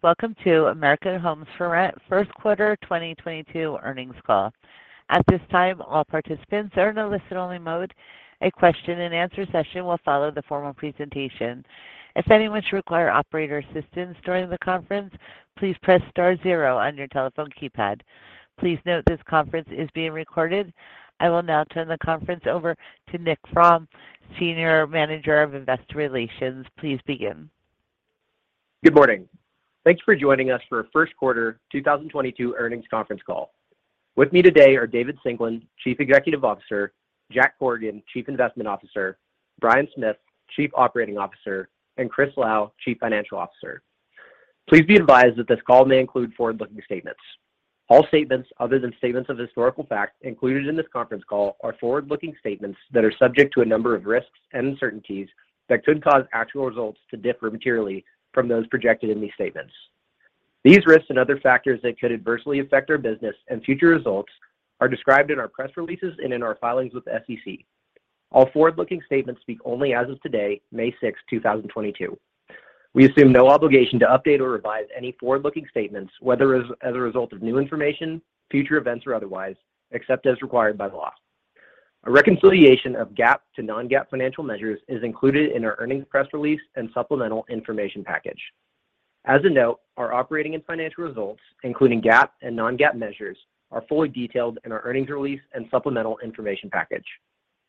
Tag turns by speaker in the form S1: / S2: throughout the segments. S1: Welcome to American Homes 4 Rent first quarter 2022 earnings call. At this time, all participants are in a listen-only mode. A question-and-answer session will follow the formal presentation. If anyone should require operator assistance during the conference, please press star 0 on your telephone keypad. Please note this conference is being recorded. I will now turn the conference over to Nick Fromm, Senior Manager of Investor Relations. Please begin.
S2: Good morning. Thanks for joining us for our first quarter 2022 earnings conference call. With me today are David Singelyn, Chief Executive Officer, Jack Corrigan, Chief Investment Officer, Bryan Smith, Chief Operating Officer, and Chris Lau, Chief Financial Officer. Please be advised that this call may include forward-looking statements. All statements other than statements of historical fact included in this conference call are forward-looking statements that are subject to a number of risks and uncertainties that could cause actual results to differ materially from those projected in these statements. These risks and other factors that could adversely affect our business and future results are described in our press releases and in our filings with the SEC. All forward-looking statements speak only as of today, May 6th, 2022. We assume no obligation to update or revise any forward-looking statements, whether as a result of new information, future events, or otherwise, except as required by the law. A reconciliation of GAAP to non-GAAP financial measures is included in our earnings press release and supplemental information package. As a note, our operating and financial results, including GAAP and non-GAAP measures, are fully detailed in our earnings release and supplemental information package.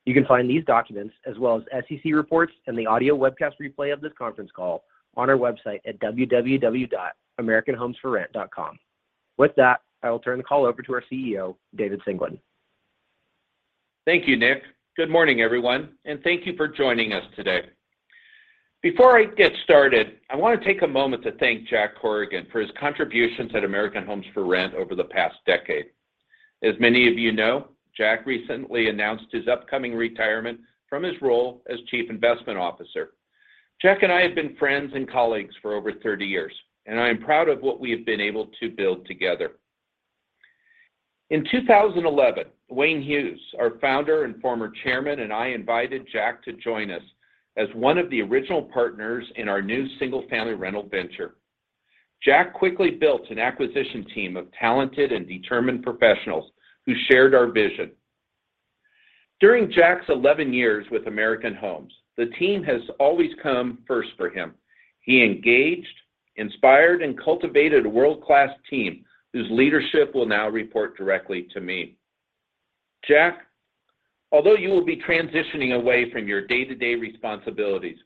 S2: You can find these documents as well as SEC reports and the audio webcast replay of this conference call on our website at www.americanhomes4rent.com. With that, I will turn the call over to our CEO, David Singelyn.
S3: Thank you, Nick. Good morning, everyone, and thank you for joining us today. Before I get started, I want to take a moment to thank Jack Corrigan for his contributions at American Homes 4 Rent over the past decade. As many of you know, Jack recently announced his upcoming retirement from his role as Chief Investment Officer. Jack and I have been friends and colleagues for over 30 years, and I am proud of what we have been able to build together. In 2011, Wayne Hughes, our Founder and former Chairman, and I invited Jack to join us as one of the original partners in our new single-family rental venture. Jack quickly built an acquisition team of talented and determined professionals who shared our vision. During Jack's 11 years with American Homes, the team has always come first for him. He engaged, inspired, and cultivated a world-class team whose leadership will now report directly to me. Jack, although you will be transitioning away from your day-to-day responsibilities,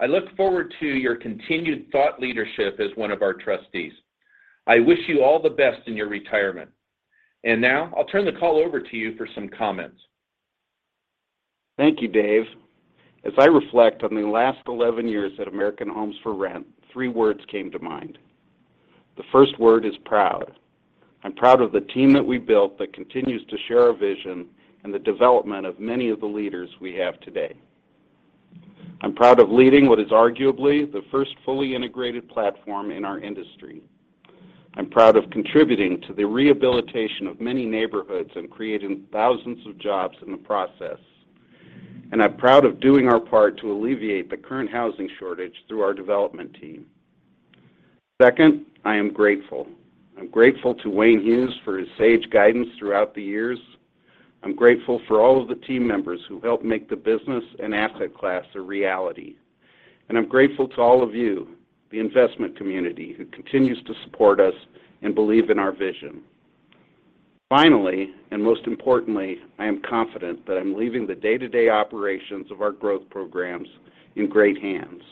S3: I look forward to your continued thought leadership as one of our trustees. I wish you all the best in your retirement. Now I'll turn the call over to you for some comments.
S4: Thank you, David. As I reflect on the last 11 years at American Homes 4 Rent, three words came to mind. The first word is proud. I'm proud of the team that we built that continues to share our vision and the development of many of the leaders we have today. I'm proud of leading what is arguably the first fully integrated platform in our industry. I'm proud of contributing to the rehabilitation of many neighborhoods and creating thousands of jobs in the process. I'm proud of doing our part to alleviate the current housing shortage through our development team. Second, I am grateful. I'm grateful to Wayne Hughes for his sage guidance throughout the years. I'm grateful for all of the team members who helped make the business and asset class a reality.
S5: I'm grateful to all of you, the investment community, who continues to support us and believe in our vision. Finally, and most importantly, I am confident that I'm leaving the day-to-day operations of our growth programs in great hands.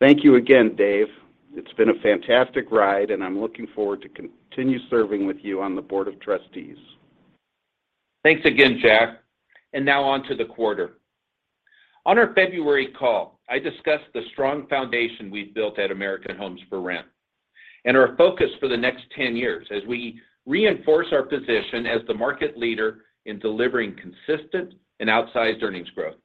S5: Thank you again, David. It's been a fantastic ride, and I'm looking forward to continue serving with you on the board of trustees.
S3: Thanks again, Jack. Now on to the quarter. On our February call, I discussed the strong foundation we've built at American Homes 4 Rent and our focus for the next 10 years as we reinforce our position as the market leader in delivering consistent and outsized earnings growth.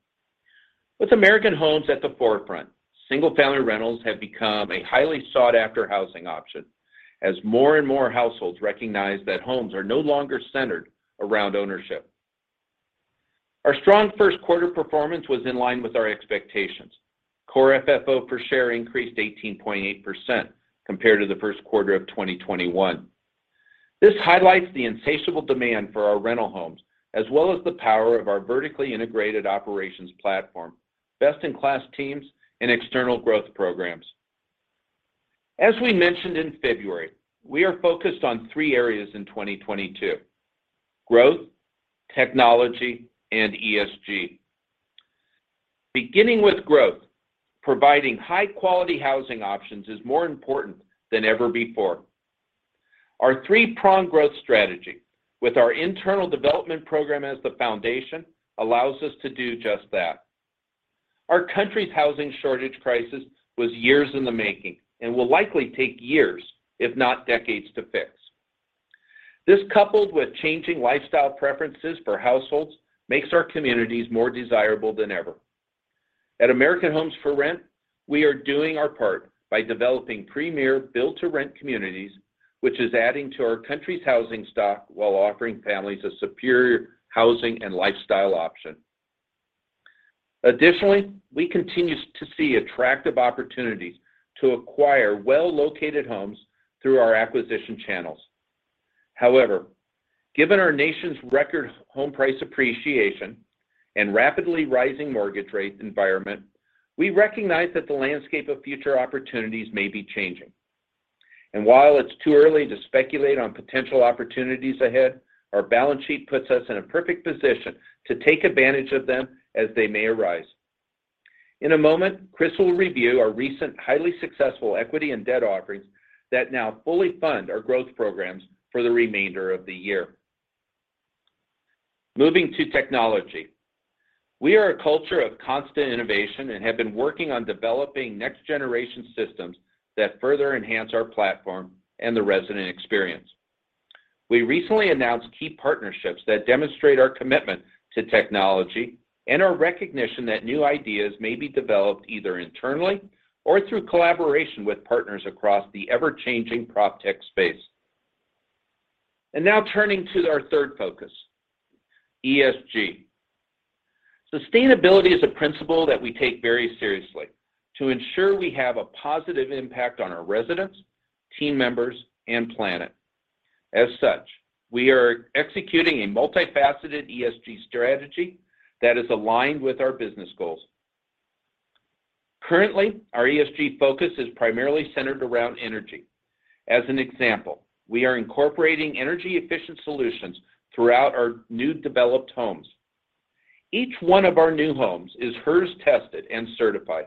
S3: With American Homes at the forefront, single-family rentals have become a highly sought-after housing option as more and more households recognize that homes are no longer centered around ownership. Our strong first quarter performance was in line with our expectations. Core FFO per share increased 18.8% compared to the first quarter of 2021. This highlights the insatiable demand for our rental homes as well as the power of our vertically integrated operations platform, best-in-class teams, and external growth programs. As we mentioned in February, we are focused on three areas in 2022, growth, technology, and ESG. Beginning with growth, providing high-quality housing options is more important than ever before. Our three-pronged growth strategy with our internal development program as the foundation allows us to do just that. Our country's housing shortage crisis was years in the making and will likely take years, if not decades, to fix. This coupled with changing lifestyle preferences for households makes our communities more desirable than ever. At American Homes 4 Rent, we are doing our part by developing premier build-to-rent communities, which is adding to our country's housing stock while offering families a superior housing and lifestyle option. Additionally, we continue to see attractive opportunities to acquire well-located homes through our acquisition channels. However, given our nation's record home price appreciation and rapidly rising mortgage rate environment, we recognize that the landscape of future opportunities may be changing. While it's too early to speculate on potential opportunities ahead, our balance sheet puts us in a perfect position to take advantage of them as they may arise. In a moment, Chris will review our recent highly successful equity and debt offerings that now fully fund our growth programs for the remainder of the year. Moving to technology. We are a culture of constant innovation and have been working on developing next-generation systems that further enhance our platform and the resident experience. We recently announced key partnerships that demonstrate our commitment to technology and our recognition that new ideas may be developed either internally or through collaboration with partners across the ever-changing PropTech space. Now turning to our third focus, ESG. Sustainability is a principle that we take very seriously to ensure we have a positive impact on our residents, team members, and planet. As such, we are executing a multifaceted ESG strategy that is aligned with our business goals. Currently, our ESG focus is primarily centered around energy. As an example, we are incorporating energy-efficient solutions throughout our new developed homes. Each one of our new homes is HERS tested and certified.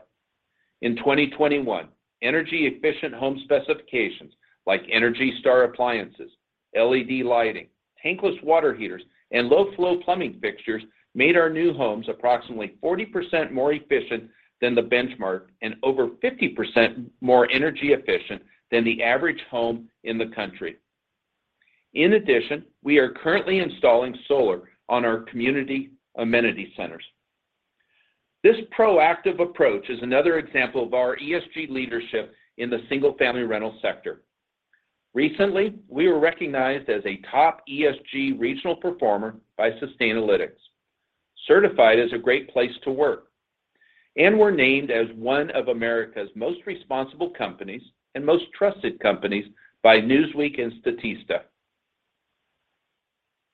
S3: In 2021, energy-efficient home specifications like ENERGY STAR appliances, LED lighting, tankless water heaters, and low-flow plumbing fixtures made our new homes approximately 40% more efficient than the benchmark and over 50% more energy efficient than the average home in the country. In addition, we are currently installing solar on our community amenity centers. This proactive approach is another example of our ESG leadership in the single-family rental sector. Recently, we were recognized as a top ESG regional performer by Sustainalytics, certified as a great place to work, and were named as one of America's most responsible companies and most trusted companies by Newsweek and Statista.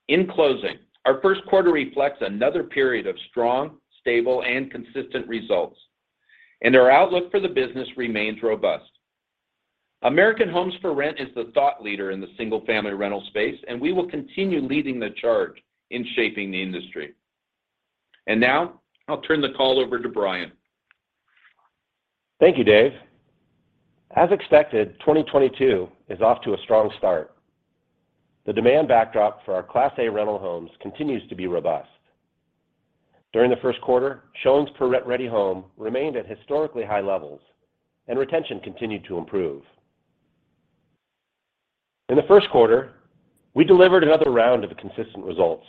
S3: In closing, our first quarter reflects another period of strong, stable, and consistent results, and our outlook for the business remains robust. American Homes 4 Rent is the thought leader in the single-family rental space, and we will continue leading the charge in shaping the industry. Now I'll turn the call over to Bryan.
S6: Thank you, Dave. As expected, 2022 is off to a strong start. The demand backdrop for our Class A rental homes continues to be robust. During the first quarter, showings per rent-ready home remained at historically high levels, and retention continued to improve. In the first quarter, we delivered another round of consistent results.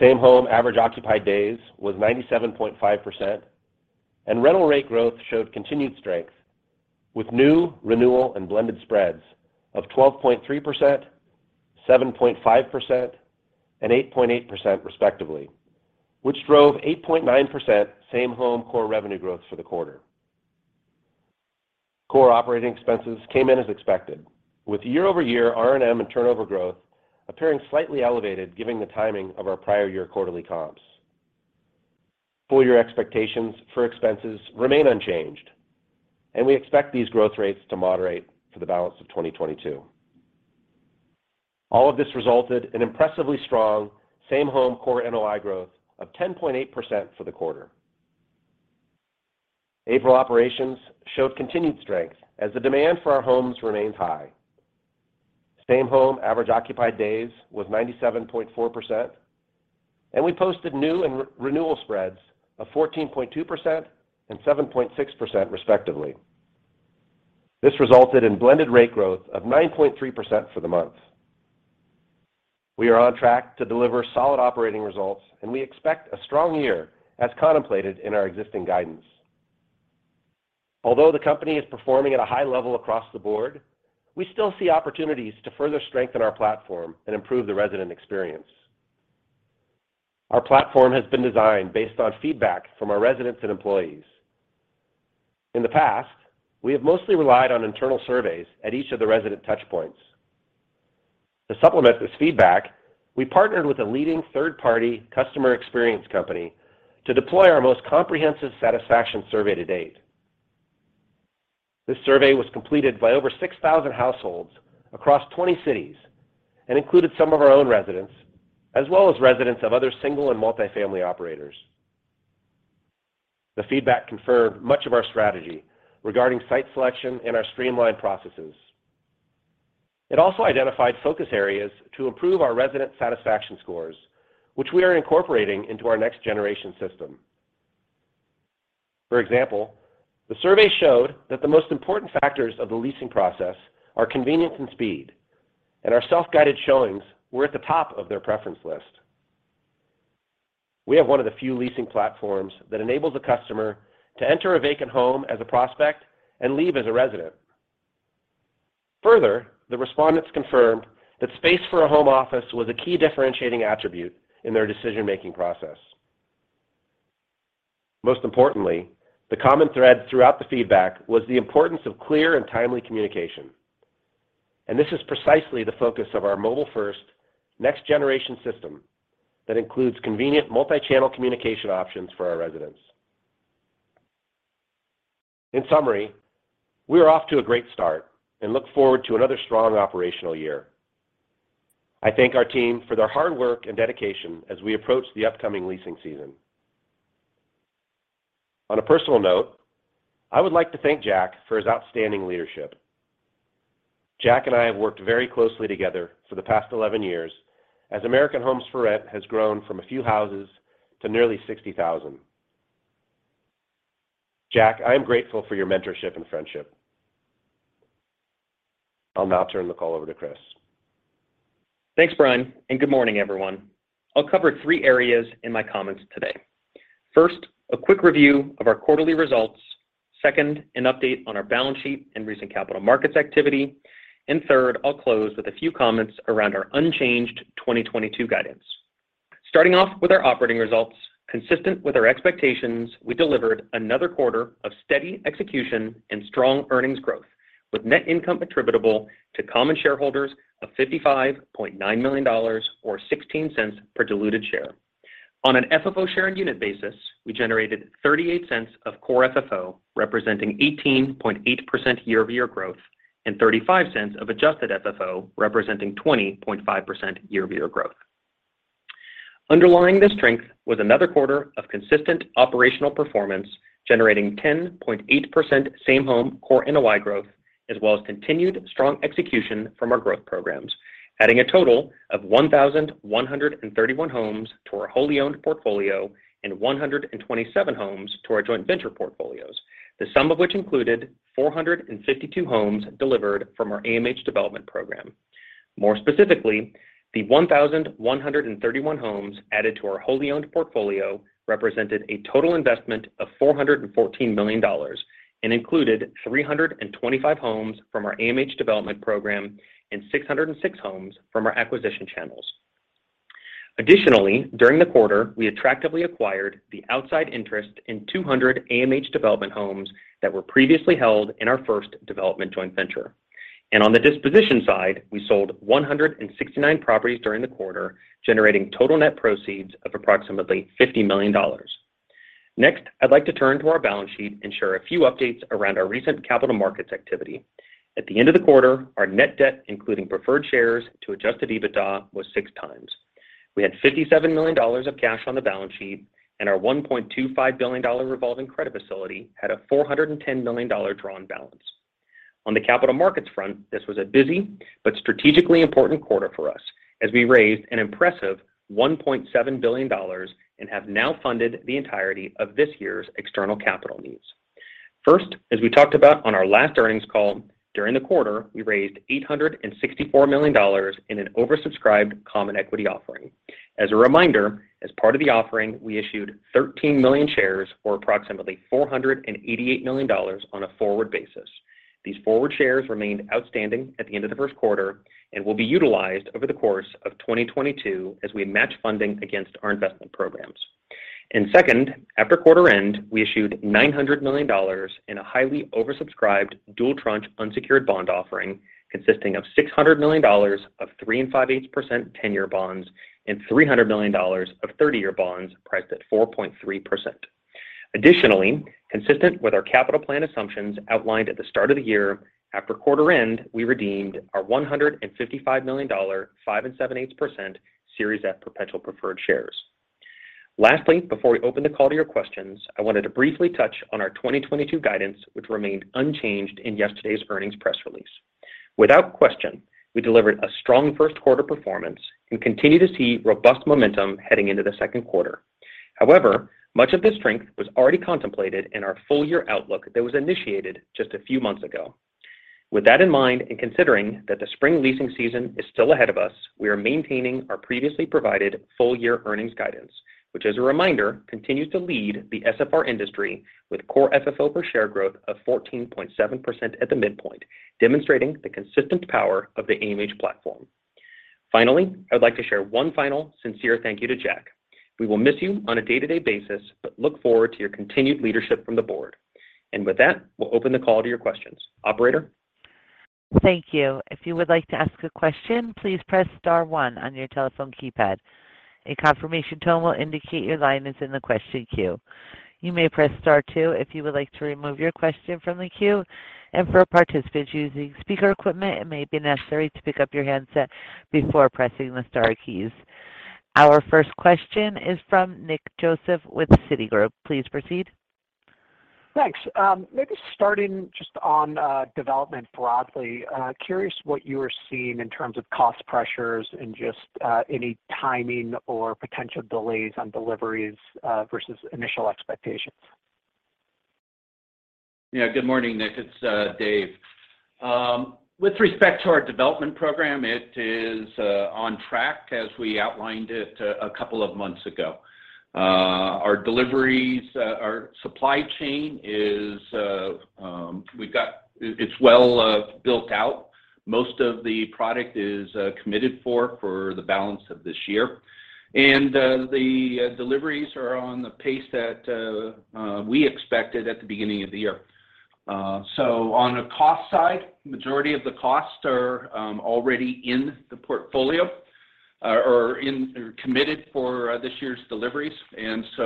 S6: Same-home average occupied days was 97.5%, and rental rate growth showed continued strength with new, renewal, and blended spreads of 12.3%, 7.5%, and 8.8% respectively, which drove 8.9% same-home core revenue growth for the quarter. Core operating expenses came in as expected, with year-over-year R&M and turnover growth appearing slightly elevated given the timing of our prior year quarterly comps. Full year expectations for expenses remain unchanged, and we expect these growth rates to moderate for the balance of 2022. All of this resulted in impressively strong same-home core NOI growth of 10.8% for the quarter. April operations showed continued strength as the demand for our homes remains high. Same-home average occupied days was 97.4%, and we posted new and renewal spreads of 14.2% and 7.6% respectively. This resulted in blended rate growth of 9.3% for the month. We are on track to deliver solid operating results, and we expect a strong year as contemplated in our existing guidance. Although the company is performing at a high level across the board, we still see opportunities to further strengthen our platform and improve the resident experience. Our platform has been designed based on feedback from our residents and employees. In the past, we have mostly relied on internal surveys at each of the resident touch points. To supplement this feedback, we partnered with a leading third-party customer experience company to deploy our most comprehensive satisfaction survey to date. This survey was completed by over 6,000 households across 20 cities and included some of our own residents, as well as residents of other single and multifamily operators. The feedback confirmed much of our strategy regarding site selection and our streamlined processes. It also identified focus areas to improve our resident satisfaction scores, which we are incorporating into our next generation system. For example, the survey showed that the most important factors of the leasing process are convenience and speed, and our self-guided showings were at the top of their preference list. We have one of the few leasing platforms that enables a customer to enter a vacant home as a prospect and leave as a resident. Further, the respondents confirmed that space for a home office was a key differentiating attribute in their decision-making process. Most importantly, the common thread throughout the feedback was the importance of clear and timely communication. This is precisely the focus of our mobile-first next generation system that includes convenient multi-channel communication options for our residents. In summary, we are off to a great start and look forward to another strong operational year. I thank our team for their hard work and dedication as we approach the upcoming leasing season. On a personal note, I would like to thank Jack for his outstanding leadership. Jack and I have worked very closely together for the past 11 years as American Homes 4 Rent has grown from a few houses to nearly 60,000. Jack, I am grateful for your mentorship and friendship. I'll now turn the call over to Chris.
S7: Thanks, Brian, and good morning, everyone. I'll cover three areas in my comments today. First, a quick review of our quarterly results. Second, an update on our balance sheet and recent capital markets activity. Third, I'll close with a few comments around our unchanged 2022 guidance. Starting off with our operating results. Consistent with our expectations, we delivered another quarter of steady execution and strong earnings growth, with net income attributable to common shareholders of $55.9 million or 16 cents per diluted share. On an FFO share unit basis, we generated 38 cents of core FFO, representing 18.8% year-over-year growth, and 35 cents of adjusted FFO, representing 20.5% year-over-year growth. Underlying this strength was another quarter of consistent operational performance, generating 10.8% same home core NOI growth, as well as continued strong execution from our growth programs, adding a total of 1,131 homes to our wholly owned portfolio and 127 homes to our joint venture portfolios. The sum of which included 452 homes delivered from our AMH development program. More specifically, the 1,131 homes added to our wholly owned portfolio represented a total investment of $414 million and included 325 homes from our AMH development program and 606 homes from our acquisition channels. Additionally, during the quarter, we attractively acquired the outside interest in 200 AMH development homes that were previously held in our first development joint venture. On the disposition side, we sold 169 properties during the quarter, generating total net proceeds of approximately $50 million. Next, I'd like to turn to our balance sheet and share a few updates around our recent capital markets activity. At the end of the quarter, our net debt including preferred shares to adjusted EBITDA was 6x. We had $57 million of cash on the balance sheet, and our $1.25 billion revolving credit facility had a $410 million drawn balance. On the capital markets front, this was a busy but strategically important quarter for us as we raised an impressive $1.7 billion and have now funded the entirety of this year's external capital needs. First, as we talked about on our last earnings call, during the quarter, we raised $864 million in an oversubscribed common equity offering. As a reminder, as part of the offering, we issued 13 million shares, or approximately $488 million on a forward basis. These forward shares remained outstanding at the end of the first quarter and will be utilized over the course of 2022 as we match funding against our investment programs. Second, after quarter end, we issued $900 million in a highly oversubscribed dual tranche unsecured bond offering, consisting of $600 million of 3 5/8% 10-year bonds and $300 million of 30-year bonds priced at 4.3%. Additionally, consistent with our capital plan assumptions outlined at the start of the year, after quarter end, we redeemed our $155 million 5 7/8% Series F perpetual preferred shares. Lastly, before we open the call to your questions, I wanted to briefly touch on our 2022 guidance, which remained unchanged in yesterday's earnings press release. Without question, we delivered a strong first quarter performance and continue to see robust momentum heading into the second quarter. However, much of this strength was already contemplated in our full-year outlook that was initiated just a few months ago. With that in mind, and considering that the spring leasing season is still ahead of us, we are maintaining our previously provided full-year earnings guidance, which as a reminder, continues to lead the SFR industry with core FFO per share growth of 14.7% at the midpoint, demonstrating the consistent power of the AMH platform. Finally, I would like to share one final sincere thank you to Jack. We will miss you on a day-to-day basis, but look forward to your continued leadership from the board. With that, we'll open the call to your questions. Operator?
S1: Thank you. If you would like to ask a question, please press star one on your telephone keypad. A confirmation tone will indicate your line is in the question queue. You may press Star two if you would like to remove your question from the queue. For participants using speaker equipment, it may be necessary to pick up your handset before pressing the star keys. Our first question is from Nick Joseph with Citigroup. Please proceed.
S8: Thanks. Maybe starting just on development broadly. Curious what you are seeing in terms of cost pressures and just any timing or potential delays on deliveries versus initial expectations?
S3: Good morning, Nick. It's David. With respect to our development program, it is on track as we outlined it a couple of months ago. Our deliveries, our supply chain it's well built out. Most of the product is committed for the balance of this year. The deliveries are on the pace that we expected at the beginning of the year. On the cost side, majority of the costs are already in the portfolio and are committed for this year's deliveries.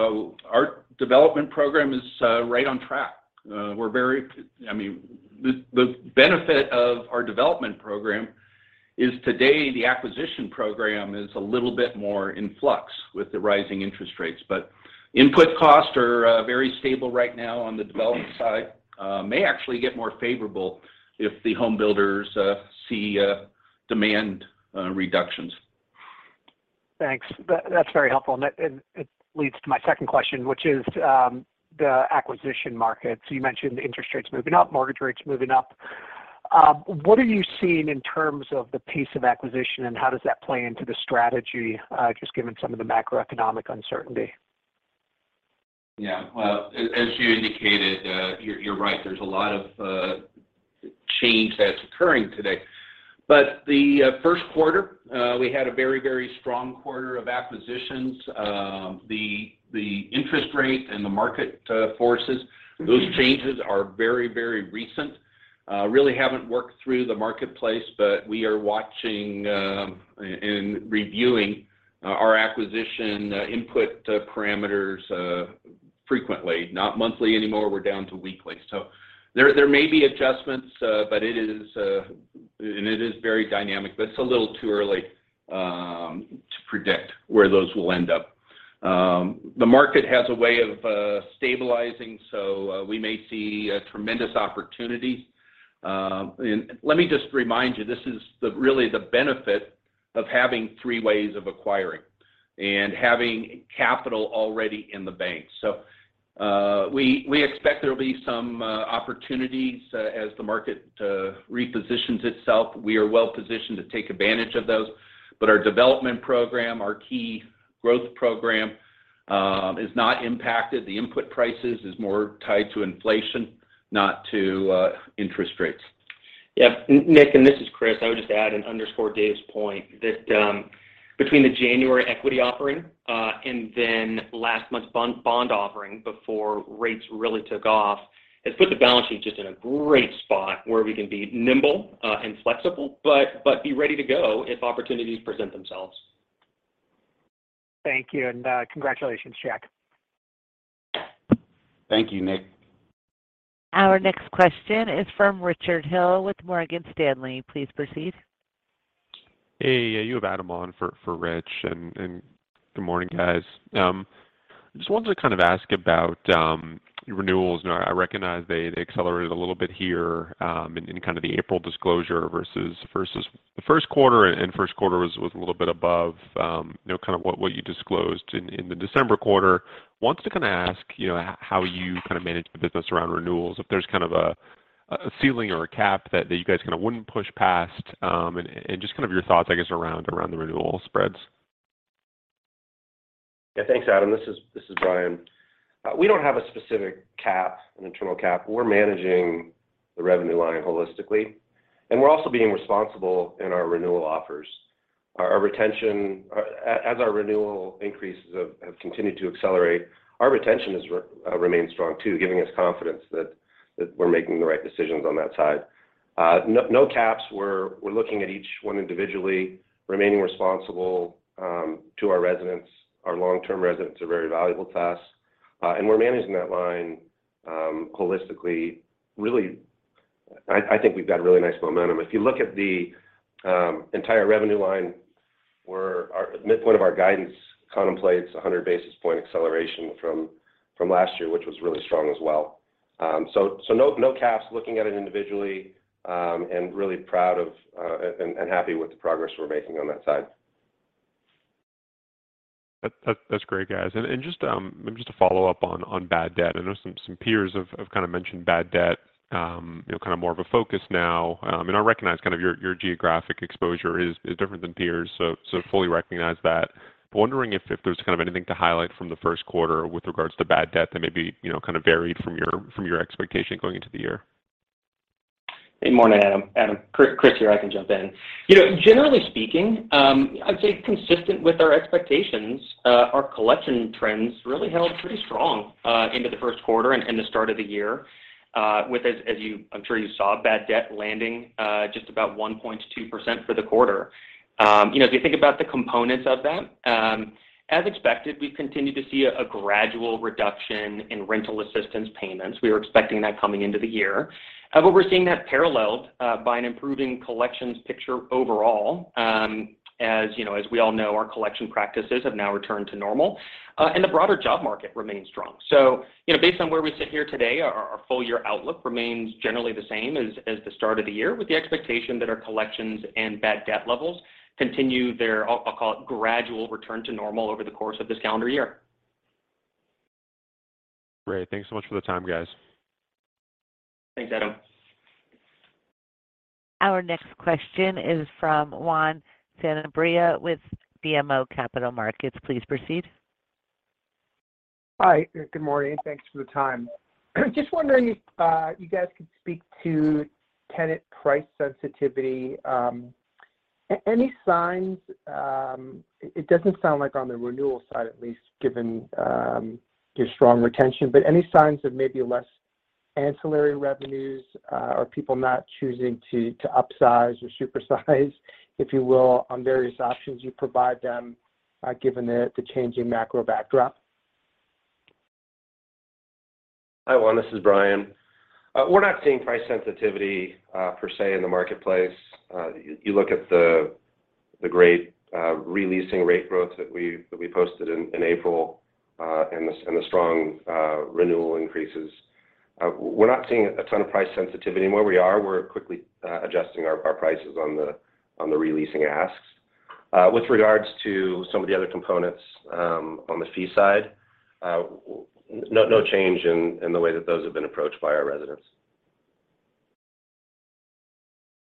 S3: Our development program is right on track. I mean, the benefit of our development program is. Today the acquisition program is a little bit more in flux with the rising interest rates. Input costs are very stable right now on the development side and may actually get more favorable if the home builders see demand reductions.
S8: Thanks. That's very helpful. It leads to my second question, which is, the acquisition market. You mentioned interest rates moving up, mortgage rates moving up. What are you seeing in terms of the pace of acquisition, and how does that play into the strategy, just given some of the macroeconomic uncertainty?
S3: Yeah. Well, as you indicated, you're right. There's a lot of change that's occurring today. The first quarter, we had a very strong quarter of acquisitions. The interest rates and the market forces, those changes are very recent. Really haven't worked through the marketplace, but we are watching and reviewing our acquisition input parameters frequently. Not monthly anymore, we're down to weekly. There may be adjustments, but it is very dynamic, but it's a little too early to predict where those will end up. The market has a way of stabilizing, so we may see a tremendous opportunity. Let me just remind you, this is really the benefit of having three ways of acquiring and having capital already in the bank. We expect there'll be some opportunities as the market repositions itself. We are well positioned to take advantage of those. Our development program, our key growth program, is not impacted. The input prices is more tied to inflation, not to interest rates.
S7: Yep. Nick, and this is Chris. I would just add and underscore Dave's point that, between the January equity offering, and then last month's bond offering before rates really took off, has put the balance sheet just in a great spot where we can be nimble, and flexible, but be ready to go if opportunities present themselves.
S8: Thank you, and, congratulations, Jack.
S4: Thank you, Nick.
S1: Our next question is from Richard Hill with Morgan Stanley. Please proceed.
S9: Hey. You have Adam on for Rich. Good morning, guys. Just wanted to kind of ask about your renewals. You know, I recognize they accelerated a little bit here in kind of the April disclosure versus the first quarter, and first quarter was a little bit above you know, kind of what you disclosed in the December quarter. Wanted to kind of ask, you know, how you kind of manage the business around renewals, if there's kind of a ceiling or a cap that you guys kind of wouldn't push past, and just kind of your thoughts, I guess, around the renewal spreads.
S6: Yeah, thanks, Adam. This is Bryan. We don't have a specific cap, an internal cap. We're managing the revenue line holistically, and we're also being responsible in our renewal offers. Our retention, as our renewal increases have continued to accelerate, has remained strong too, giving us confidence that we're making the right decisions on that side. No caps. We're looking at each one individually, remaining responsible to our residents. Our long-term residents are very valuable to us. We're managing that line holistically. Really, I think we've got really nice momentum. If you look at the entire revenue line, our midpoint of our guidance contemplates 100 basis point acceleration from last year, which was really strong as well. No caps. Looking at it individually, and really proud of and happy with the progress we're making on that side.
S9: That's great, guys. Just maybe to follow up on bad debt. I know some peers have kind of mentioned bad debt, you know, kind of more of a focus now. I recognize kind of your geographic exposure is different than peers, so fully recognize that. Wondering if there's kind of anything to highlight from the first quarter with regards to bad debt that maybe, you know, kind of varied from your expectation going into the year.
S7: Hey. Morning, Adam. Adam, Chris here. I can jump in. You know, generally speaking, I'd say consistent with our expectations, our collection trends really held pretty strong, into the first quarter and the start of the year, with, as you, I'm sure you saw, bad debt landing just about 1.2% for the quarter. You know, if you think about the components of that, as expected, we've continued to see a gradual reduction in rental assistance payments. We were expecting that coming into the year. However, we're seeing that paralleled by an improving collections picture overall. As you know, as we all know, our collection practices have now returned to normal, and the broader job market remains strong. you know, based on where we sit here today, our full year outlook remains generally the same as the start of the year, with the expectation that our collections and bad debt levels continue their, I'll call it, gradual return to normal over the course of this calendar year.
S9: Great. Thanks so much for the time, guys.
S7: Thanks, Adam.
S1: Our next question is from Juan Sanabria with BMO Capital Markets. Please proceed.
S10: Hi. Good morning. Thanks for the time. Just wondering if you guys could speak to tenant price sensitivity. Any signs. It doesn't sound like on the renewal side, at least, given your strong retention, but any signs of maybe less ancillary revenues, or people not choosing to upsize or supersize, if you will, on various options you provide them, given the changing macro backdrop?
S6: Hi, Juan. This is Brian. We're not seeing price sensitivity per se in the marketplace. You look at the great re-leasing rate growth that we posted in April and the strong renewal increases. We're not seeing a ton of price sensitivity. Where we are, we're quickly adjusting our prices on the re-leasing asks. With regards to some of the other components on the fee side, no change in the way that those have been approached by our residents.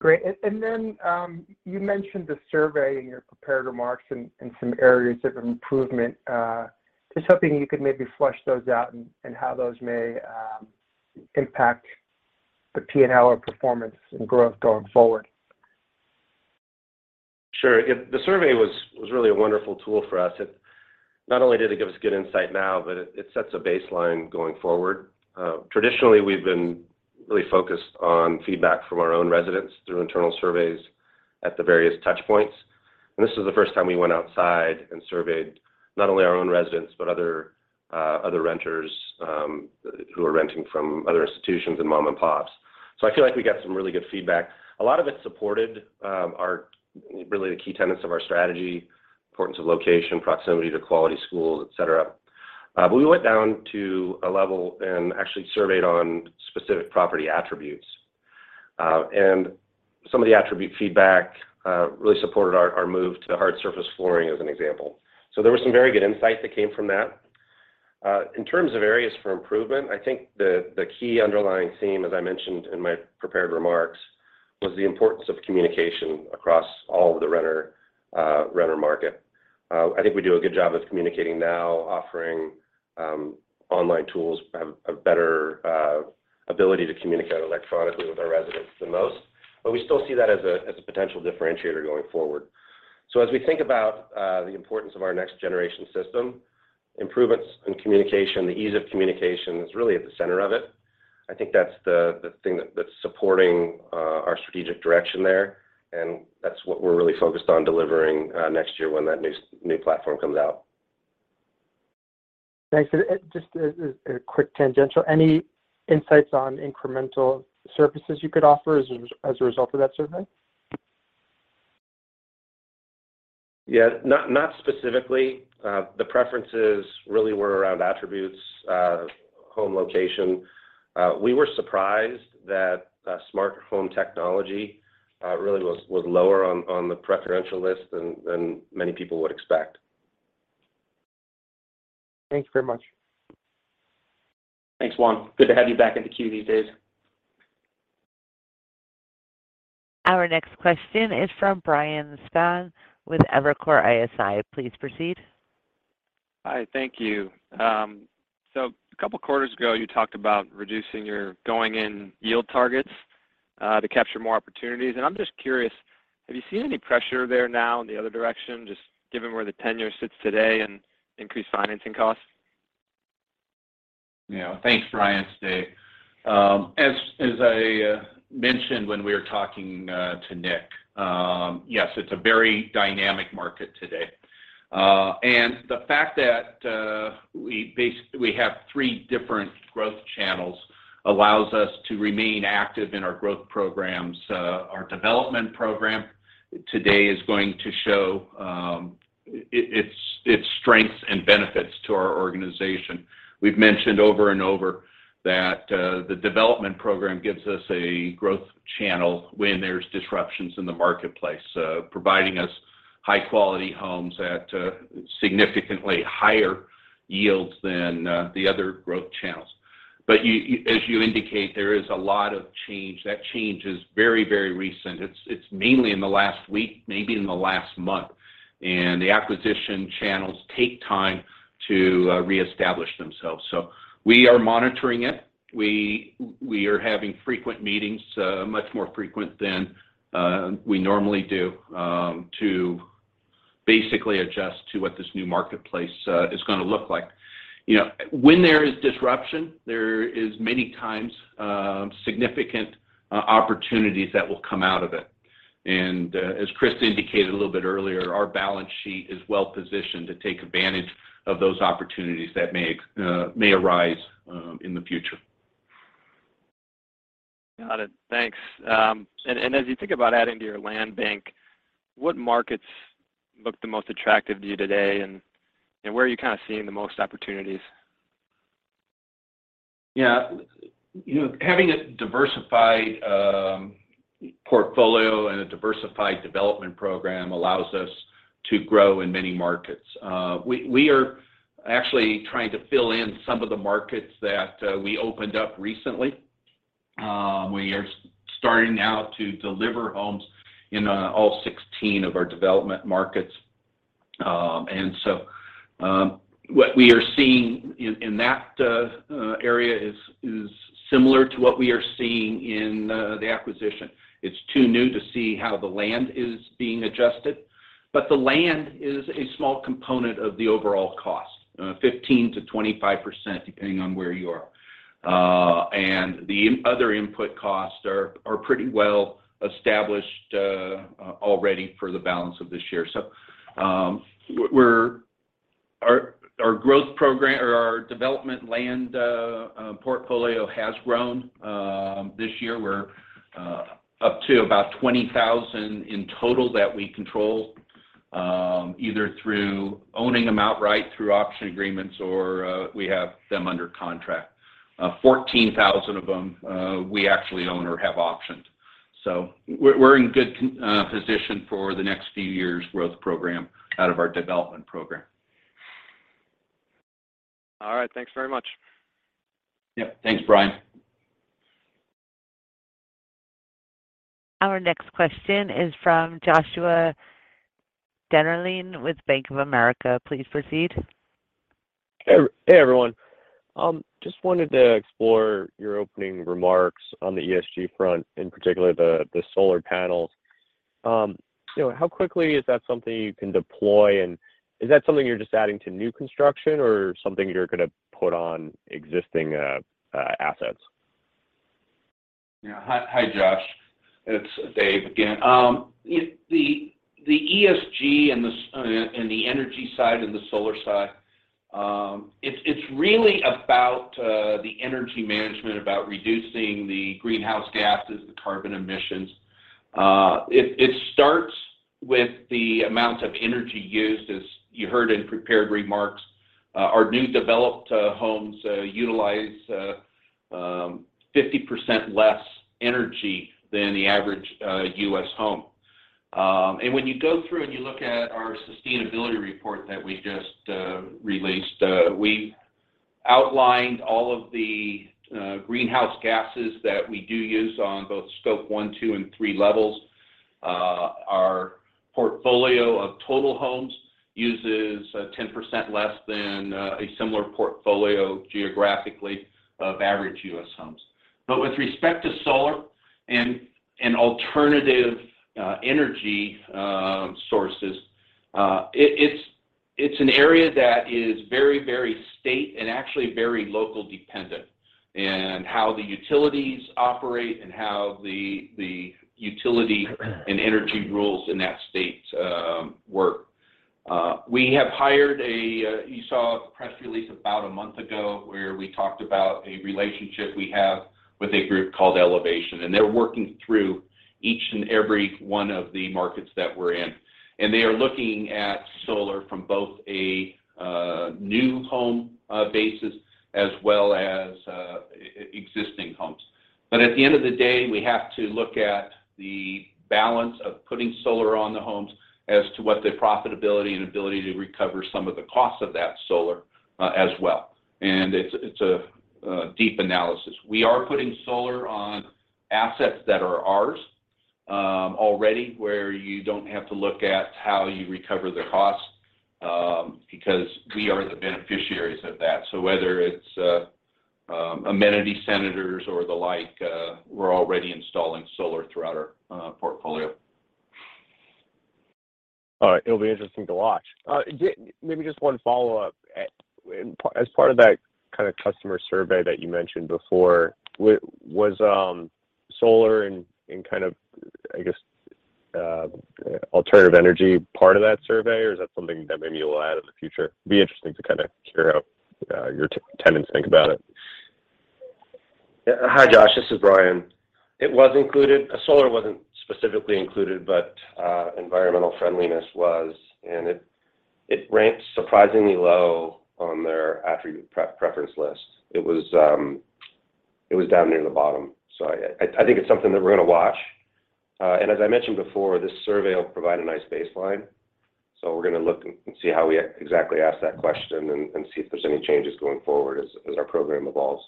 S10: Great. You mentioned the survey in your prepared remarks and some areas of improvement. Just hoping you could maybe flesh those out and how those may impact the P&L or performance and growth going forward.
S6: Sure. The survey was really a wonderful tool for us. Not only did it give us good insight now, but it sets a baseline going forward. Traditionally, we've been really focused on feedback from our own residents through internal surveys at the various touchpoints, and this is the first time we went outside and surveyed not only our own residents, but other renters who are renting from other institutions and mom and pops. I feel like we got some really good feedback. A lot of it supported our really the key tenets of our strategy, importance of location, proximity to quality schools, et cetera. We went down to a level and actually surveyed on specific property attributes. Some of the attribute feedback really supported our move to hard surface flooring as an example. There was some very good insight that came from that. In terms of areas for improvement, I think the key underlying theme, as I mentioned in my prepared remarks, was the importance of communication across all of the renter market. I think we do a good job of communicating now, offering online tools. We have a better ability to communicate electronically with our residents than most, but we still see that as a potential differentiator going forward. As we think about the importance of our next generation system, improvements in communication, the ease of communication is really at the center of it. I think that's the thing that's supporting our strategic direction there, and that's what we're really focused on delivering next year when that new platform comes out.
S10: Thanks. Just as a quick tangential, any insights on incremental services you could offer as a result of that survey?
S6: Yeah. Not specifically. The preferences really were around attributes, home location. We were surprised that smartphone technology really was lower on the preferential list than many people would expect.
S10: Thanks very much.
S6: Thanks, Juan. Good to have you back in the queue these days.
S1: Our next question is from [Brian Suth] with Evercore ISI. Please proceed.
S11: Hi. Thank you. A couple quarters ago, you talked about reducing your going-in yield targets to capture more opportunities, and I'm just curious, have you seen any pressure there now in the other direction, just given where the 10-year sits today and increased financing costs?
S6: Yeah. Thanks, [Brian Suth]. As I mentioned when we were talking to Nick, yes, it's a very dynamic market today. The fact that we have three different growth channels allows us to remain active in our growth programs. Our development program today is going to show its strengths and benefits to our organization. We've mentioned over and over that the development program gives us a growth channel when there's disruptions in the marketplace, providing us high-quality homes at significantly higher yields than the other growth channels. As you indicate, there is a lot of change. That change is very, very recent. It's mainly in the last week, maybe in the last month, and the acquisition channels take time to reestablish themselves. We are monitoring it. We are having frequent meetings, much more frequent than we normally do, to basically adjust to what this new marketplace is gonna look like. You know, when there is disruption, there is many times significant opportunities that will come out of it. As Chris indicated a little bit earlier, our balance sheet is well-positioned to take advantage of those opportunities that may arise in the future.
S11: Got it. Thanks. As you think about adding to your land bank, what markets look the most attractive to you today, and where are you kind of seeing the most opportunities?
S3: Yeah. You know, having a diversified portfolio and a diversified development program allows us to grow in many markets. We are actually trying to fill in some of the markets that we opened up recently. We are starting now to deliver homes in all 16 of our development markets. What we are seeing in that area is similar to what we are seeing in the acquisition. It's too new to see how the land is being adjusted, but the land is a small component of the overall cost, 15%-25% depending on where you are. The other input costs are pretty well established already for the balance of this year. Our growth program or our development land portfolio has grown this year. We're up to about 20,000 in total that we control, either through owning them outright through option agreements or we have them under contract. 14,000 of them, we actually own or have optioned. We're in good position for the next few years' growth program out of our development program.
S11: All right. Thanks very much.
S3: Yep. Thanks, Brian.
S1: Our next question is from Joshua Dennerlein with Bank of America. Please proceed.
S12: Hey, hey, everyone. Just wanted to explore your opening remarks on the ESG front, in particular the solar panels. You know, how quickly is that something you can deploy, and is that something you're just adding to new construction or something you're gonna put on existing assets?
S3: Yeah. Hi, Josh. It's David again. The ESG and the energy side and the solar side, it's really about the energy management, about reducing the greenhouse gases, the carbon emissions. It starts with the amount of energy used. As you heard in prepared remarks, our new developed homes utilize 50% less energy than the average U.S. home. And when you go through and you look at our sustainability report that we just released, we outlined all of the greenhouse gases that we do use on both scope one, two, and three levels. Our portfolio of total homes uses 10% less than a similar portfolio geographically of average U.S. homes. With respect to solar and alternative energy sources, it's an area that is very state and actually very local dependent in how the utilities operate and how the utility and energy rules in that state work. We have hired a. You saw a press release about a month ago where we talked about a relationship we have with a group called Elevation, and they're working through each and every one of the markets that we're in. They are looking at solar from both a new home basis as well as existing homes. At the end of the day, we have to look at the balance of putting solar on the homes as to what the profitability and ability to recover some of the cost of that solar, as well, and it's a deep analysis. We are putting solar on assets that are ours, already, where you don't have to look at how you recover the cost, because we are the beneficiaries of that. So whether it's amenity centers or the like, we're already installing solar throughout our portfolio.
S12: All right. It'll be interesting to watch. Maybe just one follow-up. As part of that kind of customer survey that you mentioned before, was solar and kind of, I guess, alternative energy part of that survey, or is that something that maybe you'll add in the future? It'd be interesting to kind of hear how your tenants think about it.
S6: Yeah. Hi, Joshua. This is Bryan. It was included. Solar wasn't specifically included, but environmental friendliness was, and it ranked surprisingly low on their attribute preference list. It was down near the bottom. I think it's something that we're gonna watch. As I mentioned before, this survey will provide a nice baseline, so we're gonna look and see how we exactly asked that question and see if there's any changes going forward as our program evolves.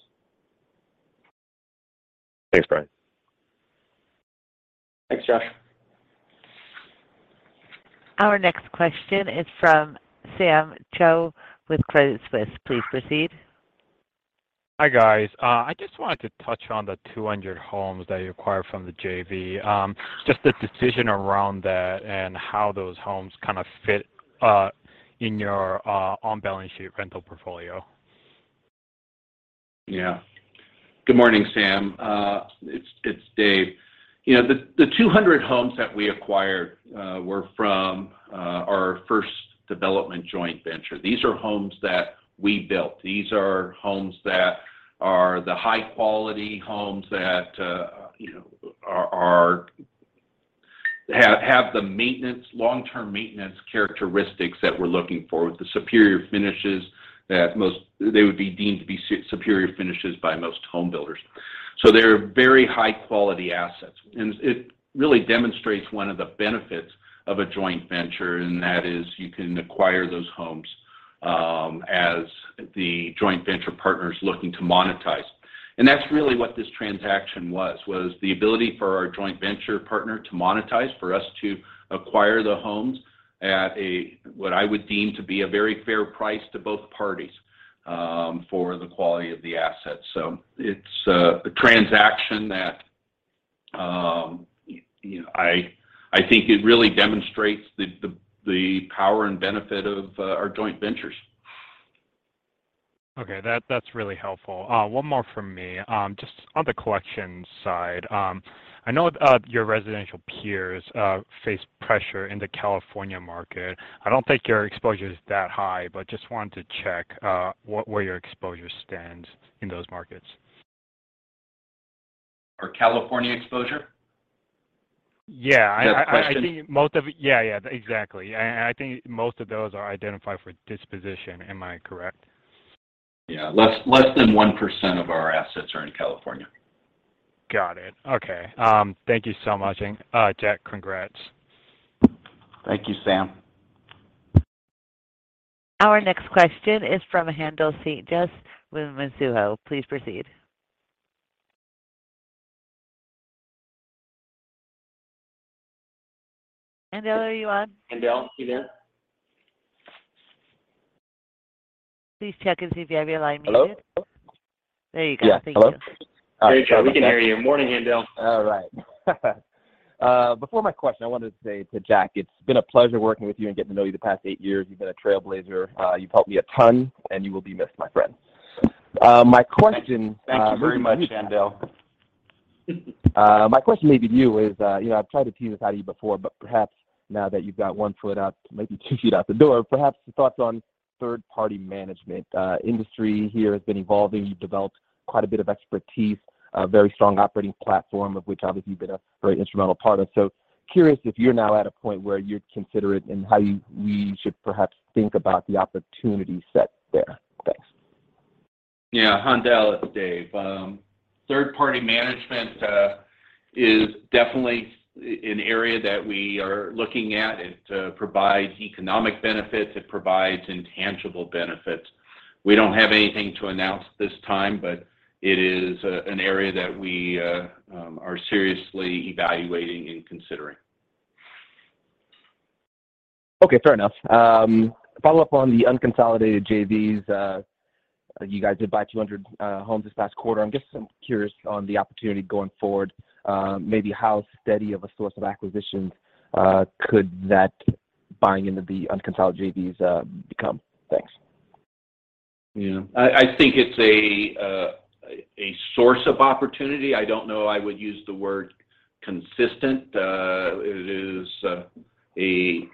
S12: Thanks, Bryan.
S3: Thanks, Josh.
S1: Our next question is from Sam Choe with Credit Suisse. Please proceed.
S13: Hi, guys. I just wanted to touch on the 200 homes that you acquired from the JV. Just the decision around that and how those homes kind of fit in your on-balance sheet rental portfolio.
S3: Yeah. Good morning, Sam. It's David. You know, the 200 homes that we acquired were from our first development joint venture. These are homes that we built. These are homes that are the high-quality homes that you know are have the maintenance, long-term maintenance characteristics that we're looking for with the superior finishes that they would be deemed to be superior finishes by most home builders. So they're very high-quality assets. It really demonstrates one of the benefits of a joint venture, and that is you can acquire those homes as the joint venture partner is looking to monetize. That's really what this transaction was, the ability for our joint venture partner to monetize, for us to acquire the homes at a what I would deem to be a very fair price to both parties, for the quality of the assets. It's a transaction that you know, I think it really demonstrates the power and benefit of our joint ventures.
S13: That's really helpful. One more from me. Just on the collections side. I know your residential peers face pressure in the California market. I don't think your exposure is that high, but just wanted to check where your exposure stands in those markets.
S3: Our California exposure?
S13: Yeah.
S3: Is that the question?
S13: I think most of it. Yeah, yeah, exactly. I think most of those are identified for disposition. Am I correct?
S3: Yeah. Less than 1% of our assets are in California.
S13: Got it. Okay. Thank you so much. Jack, congrats.
S3: Thank you, Sam.
S1: Our next question is from Haendel St. Juste with Mizuho. Please proceed. Haendel, are you on?
S3: Haendel, you there?
S1: Please check and see if you have a line muted.
S14: Hello?
S1: There you go. Thank you.
S14: Yeah. Hello?
S3: Great job. We can hear you. Morning, Haendel.
S14: All right. Before my question, I wanted to say to Jack, it's been a pleasure working with you and getting to know you over the past eight years. You've been a trailblazer. You've helped me a ton, and you will be missed, my friend. My question.
S3: Thank you. Thank you very much, Haendel.
S14: My question maybe to you is, you know, I've tried to tease this out of you before, but perhaps now that you've got one foot out, maybe two feet out the door, perhaps some thoughts on third-party management. Industry here has been evolving. You've developed quite a bit of expertise, a very strong operating platform, of which obviously you've been a very instrumental part of. Curious if you're now at a point where you'd consider it and we should perhaps think about the opportunity set there. Thanks.
S3: Yeah, Haendel, it's David. Third-party management is definitely an area that we are looking at. It provides economic benefits. It provides intangible benefits. We don't have anything to announce at this time, but it is an area that we are seriously evaluating and considering.
S14: Okay. Fair enough. Follow-up on the unconsolidated JVs. You guys did buy 200 homes this past quarter. I'm just curious on the opportunity going forward, maybe how steady of a source of acquisitions could that buying into the unconsolidated JVs become? Thanks.
S3: Yeah. I think it's a source of opportunity. I don't know I would use the word consistent. It is a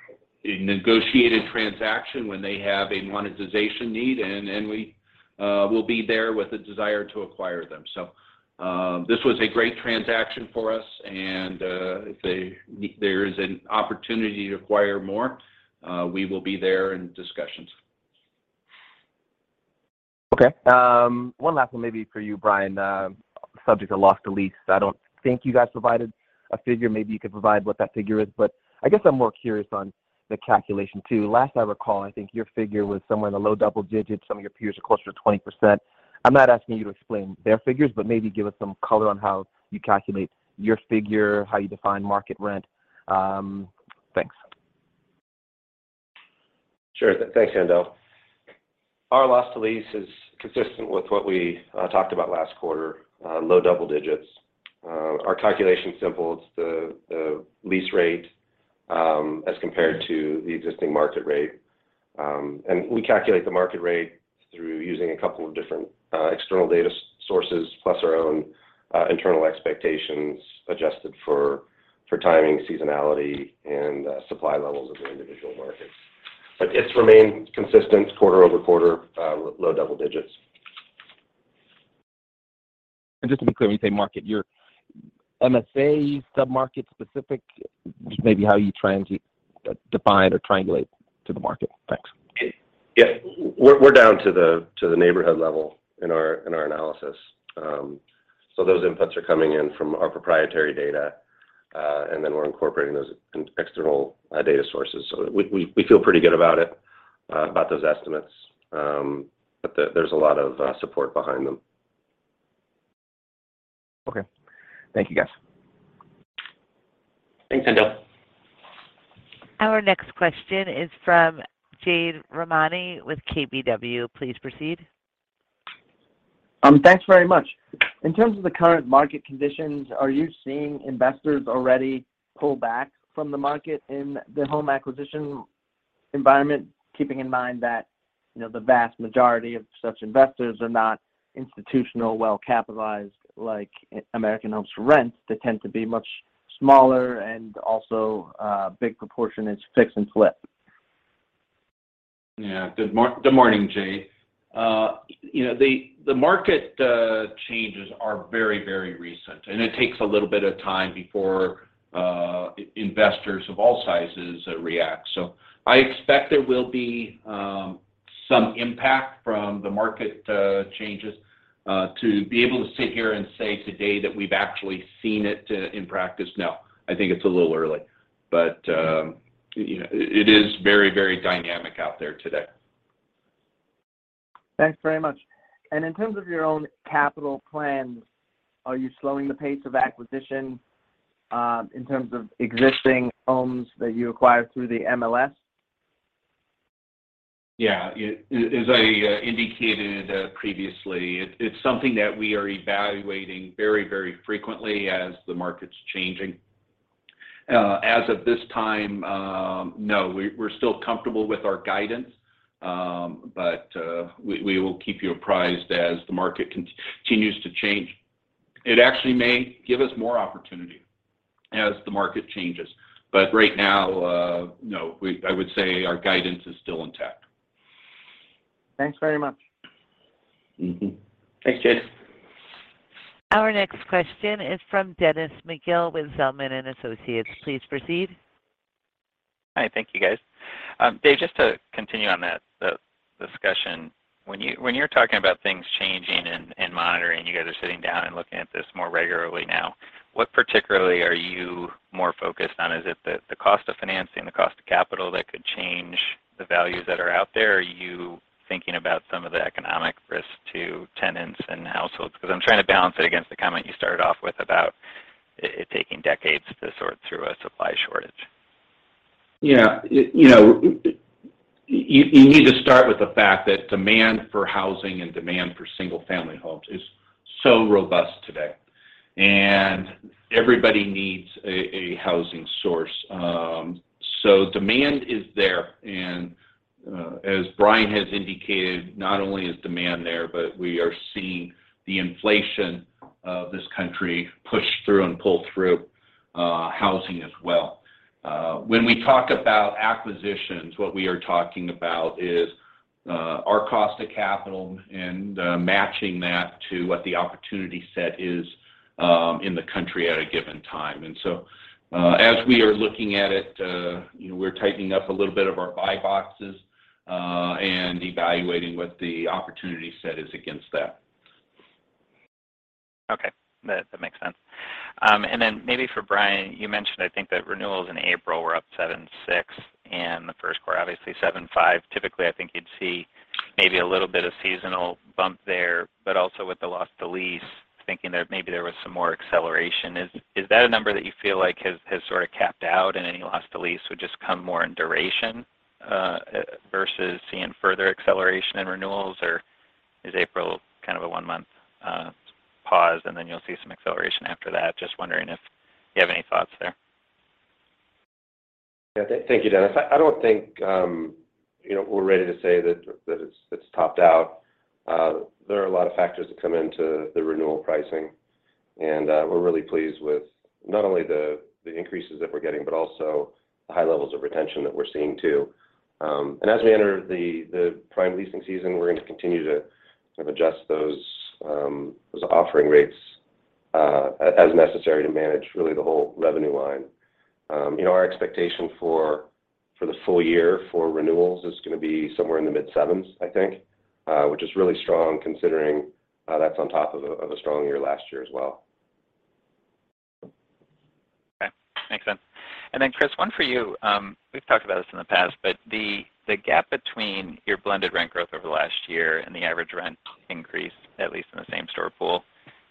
S3: negotiated transaction when they have a monetization need, and then we will be there with the desire to acquire them. This was a great transaction for us, and if there is an opportunity to acquire more, we will be there in discussions.
S14: Okay. One last one maybe for you, Bryan. Subject of loss to lease. I don't think you guys provided a figure. Maybe you could provide what that figure is. I guess I'm more curious on the calculation too. Last I recall, I think your figure was somewhere in the low double-digits. Some of your peers are closer to 20%. I'm not asking you to explain their figures, but maybe give us some color on how you calculate your figure, how you define market rent. Thanks.
S6: Sure. Thanks, Haendel. Our loss to lease is consistent with what we talked about last quarter, low double-digits. Our calculation's simple. It's the lease rate as compared to the existing market rate. We calculate the market rate through using a couple of different external data sources, plus our own internal expectations adjusted for timing, seasonality, and supply levels of the individual markets. It's remained consistent quarter-over-quarter, low double-digits.
S14: Just to be clear, when you say market, your MSA, sub-market specific, maybe how you're trying to define or triangulate the market? Thanks.
S6: Yeah. We're down to the neighborhood level in our analysis. Those inputs are coming in from our proprietary data, and then we're incorporating those external data sources. We feel pretty good about it, about those estimates, but there's a lot of support behind them.
S14: Okay. Thank you, guys.
S3: Thanks, Haendel.
S1: Our next question is from Jade Rahmani with KBW. Please proceed.
S15: Thanks very much. In terms of the current market conditions, are you seeing investors already pull back from the market in the home acquisition environment, keeping in mind that, you know, the vast majority of such investors are not institutional, well-capitalized like American Homes 4 Rent? They tend to be much smaller and also, big proportion is fix and flip.
S3: Yeah. Good morning, Jade. You know, the market changes are very, very recent, and it takes a little bit of time before investors of all sizes react. I expect there will be some impact from the market changes. To be able to sit here and say today that we've actually seen it in practice, no. I think it's a little early. You know, it is very, very dynamic out there today.
S15: Thanks very much. In terms of your own capital plans, are you slowing the pace of acquisition, in terms of existing homes that you acquire through the MLS?
S3: Yeah. As I indicated previously, it's something that we are evaluating very, very frequently as the market's changing. As of this time, no, we're still comfortable with our guidance. We will keep you apprised as the market continues to change. It actually may give us more opportunity as the market changes. Right now, no, I would say our guidance is still intact.
S15: Thanks very much.
S3: Mm-hmm.
S6: Thanks, Jade.
S1: Our next question is from Dennis McGill with Zelman & Associates. Please proceed.
S16: Hi. Thank you, guys. David, just to continue on that discussion. When you're talking about things changing and monitoring, you guys are sitting down and looking at this more regularly now, what particularly are you more focused on? Is it the cost of financing, the cost of capital that could change the values that are out there? Are you thinking about some of the economic risks to tenants and households? Because I'm trying to balance it against the comment you started off with about it taking decades to sort through a supply shortage.
S3: Yeah. You know, you need to start with the fact that demand for housing and demand for single-family homes is so robust today, and everybody needs a housing source. Demand is there. As Bryan has indicated, not only is demand there, but we are seeing the inflation of this country push through and pull through housing as well. When we talk about acquisitions, what we are talking about is our cost of capital and matching that to what the opportunity set is in the country at a given time. As we are looking at it, you know, we're tightening up a little bit of our buy boxes and evaluating what the opportunity set is against that.
S16: Okay. That makes sense. Then maybe for Bryan, you mentioned, I think, that renewals in April were up 7.6% in the first quarter, obviously 7.5%. Typically, I think you'd see maybe a little bit of seasonal bump there, but also with the loss to lease, thinking that maybe there was some more acceleration. Is that a number that you feel like has sort of capped out and any loss to lease would just come more in duration versus seeing further acceleration in renewals? Or is April kind of a one-month pause, and then you'll see some acceleration after that? Just wondering if you have any thoughts there.
S6: Yeah. Thank you, Dennis. I don't think you know, we're ready to say that it's topped out. There are a lot of factors that come into the renewal pricing, and we're really pleased with not only the increases that we're getting, but also the high levels of retention that we're seeing, too. As we enter the prime leasing season, we're going to continue to sort of adjust those offering rates as necessary to manage really the whole revenue line. You know, our expectation for the full year for renewals is gonna be somewhere in the mid-sevens, I think, which is really strong considering that's on top of a strong year last year as well.
S16: Okay. Makes sense. Chris, one for you. We've talked about this in the past, but the gap between your blended rent growth over the last year and the average rent increase, at least in the same store pool,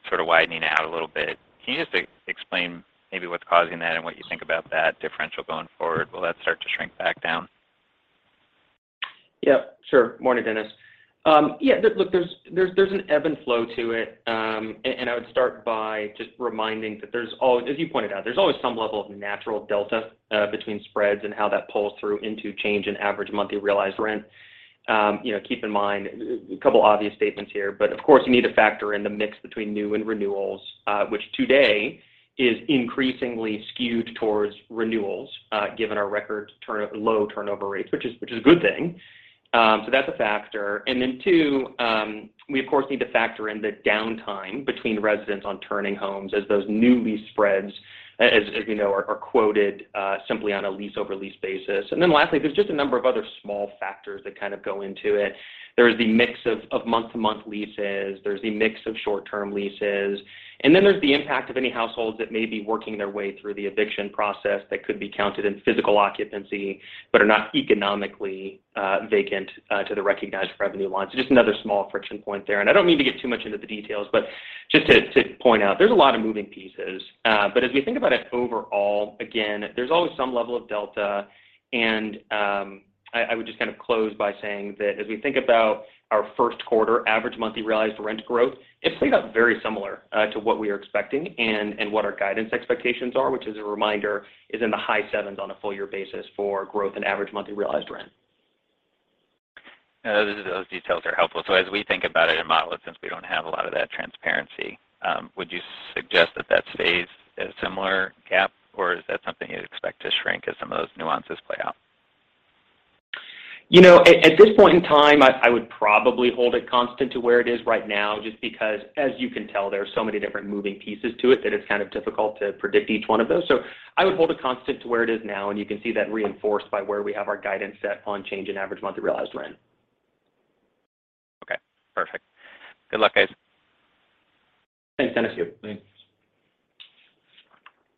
S16: sort of widening out a little bit. Can you just explain maybe what's causing that and what you think about that differential going forward? Will that start to shrink back down?
S7: Yeah, sure. Morning, Dennis. Yeah, look, there's an ebb and flow to it. I would start by just reminding that there's as you pointed out, there's always some level of natural delta between spreads and how that pulls through into change in average monthly realized rent. You know, keep in mind a couple obvious statements here, but of course, you need to factor in the mix between new and renewals, which today is increasingly skewed towards renewals, given our record low turnover rates, which is a good thing. That's a factor. Two, we of course need to factor in the downtime between residents on turning homes as those new lease spreads, as we know, are quoted simply on a lease-over-lease basis. Lastly, there's just a number of other small factors that kind of go into it. There's the mix of month-to-month leases, there's the mix of short-term leases, and then there's the impact of any households that may be working their way through the eviction process that could be counted in physical occupancy but are not economically vacant to the recognized revenue line. Just another small friction point there. I don't mean to get too much into the details, but just to point out there's a lot of moving pieces. As we think about it overall, again, there's always some level of delta. I would just kind of close by saying that as we think about our first quarter average monthly realized rent growth, it's played out very similar to what we are expecting and what our guidance expectations are, which as a reminder, is in the high [7th%] on a full year basis for growth and average monthly realized rent.
S16: Those details are helpful. As we think about it and model it, since we don't have a lot of that transparency, would you suggest that stays a similar gap, or is that something you'd expect to shrink as some of those nuances play out?
S7: You know, at this point in time, I would probably hold it constant to where it is right now, just because as you can tell, there are so many different moving pieces to it that it's kind of difficult to predict each one of those. I would hold it constant to where it is now, and you can see that reinforced by where we have our guidance set on change in average monthly realized rent.
S16: Good luck, guys.
S3: Thanks, Dennis. Yeah, thanks.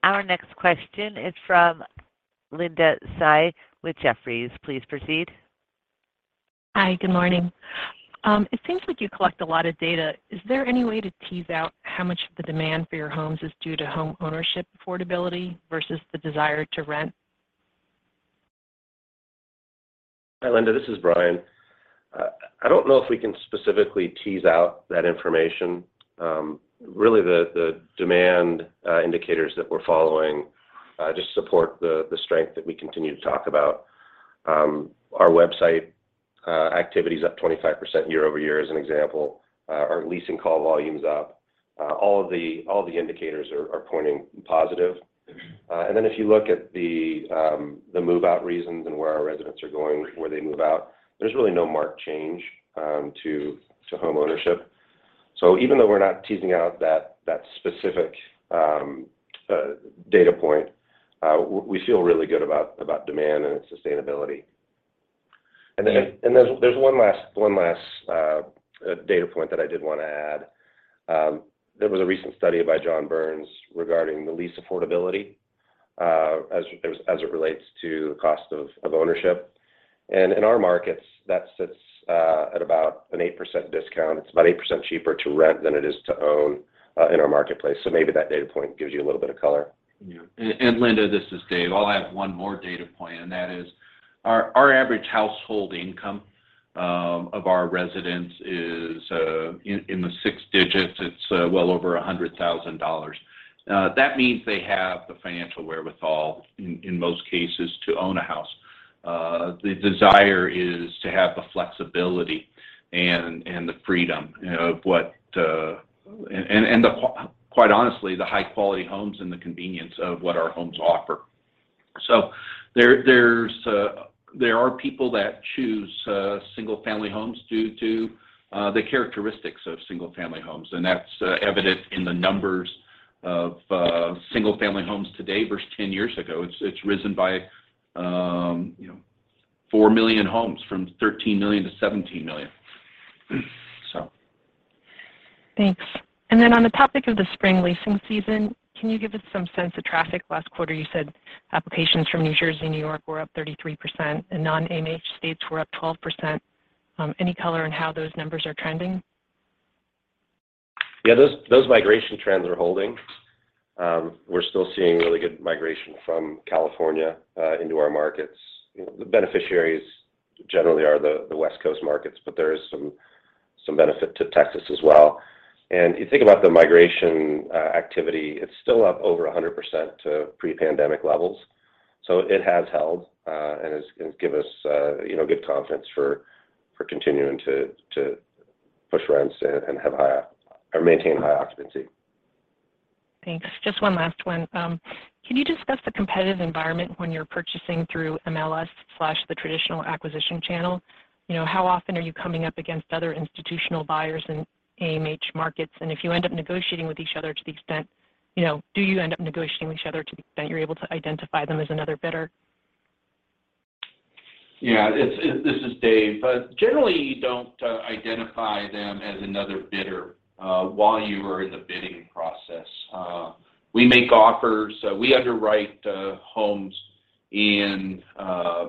S1: Our next question is from Linda Tsai with Jefferies. Please proceed.
S17: Hi. Good morning. It seems like you collect a lot of data. Is there any way to tease out how much of the demand for your homes is due to homeownership affordability versus the desire to rent?
S6: Hi, Linda. This is Bryan. I don't know if we can specifically tease out that information. Really the demand indicators that we're following just support the strength that we continue to talk about. Our website activity is up 25% year-over-year as an example. Our leasing call volume's up. All of the indicators are pointing positive. If you look at the move-out reasons and where our residents are going when they move out, there's really no marked change to homeownership. Even though we're not teasing out that specific data point, we feel really good about demand and its sustainability. There's one last data point that I did wanna add. There was a recent study by John Burns regarding the lease affordability, as it relates to cost of ownership. In our markets, that sits at about an 8% discount. It's about 8% cheaper to rent than it is to own in our marketplace. Maybe that data point gives you a little bit of color.
S3: Yeah. Linda, this is Dave. I'll add one more data point, and that is our average household income of our residents is in the six digits. It's well over $100,000. That means they have the financial wherewithal in most cases to own a house. The desire is to have the flexibility and the freedom, you know, of what. Quite honestly, the high-quality homes and the convenience of what our homes offer. There are people that choose single-family homes due to the characteristics of single-family homes, and that's evident in the numbers of single-family homes today versus 10 years ago. It's risen by, you know, 4 million homes, from 13 million to 17 million.
S17: Thanks. On the topic of the spring leasing season, can you give us some sense of traffic? Last quarter you said applications from New Jersey and New York were up 33% and non-AMH states were up 12%. Any color on how those numbers are trending?
S6: Yeah. Those migration trends are holding. We're still seeing really good migration from California into our markets. You know, the beneficiaries generally are the West Coast markets, but there is some benefit to Texas as well. You think about the migration activity, it's still up over 100% to pre-pandemic levels, so it has held and gives us you know, good confidence for continuing to push rents and maintain high occupancy.
S17: Thanks. Just one last one. Can you discuss the competitive environment when you're purchasing through MLS/the traditional acquisition channel? You know, how often are you coming up against other institutional buyers in AMH markets? Do you end up negotiating with each other to the extent you're able to identify them as another bidder?
S3: Yeah. This is David. Generally you don't identify them as another bidder while you are in the bidding process. We make offers. We underwrite homes in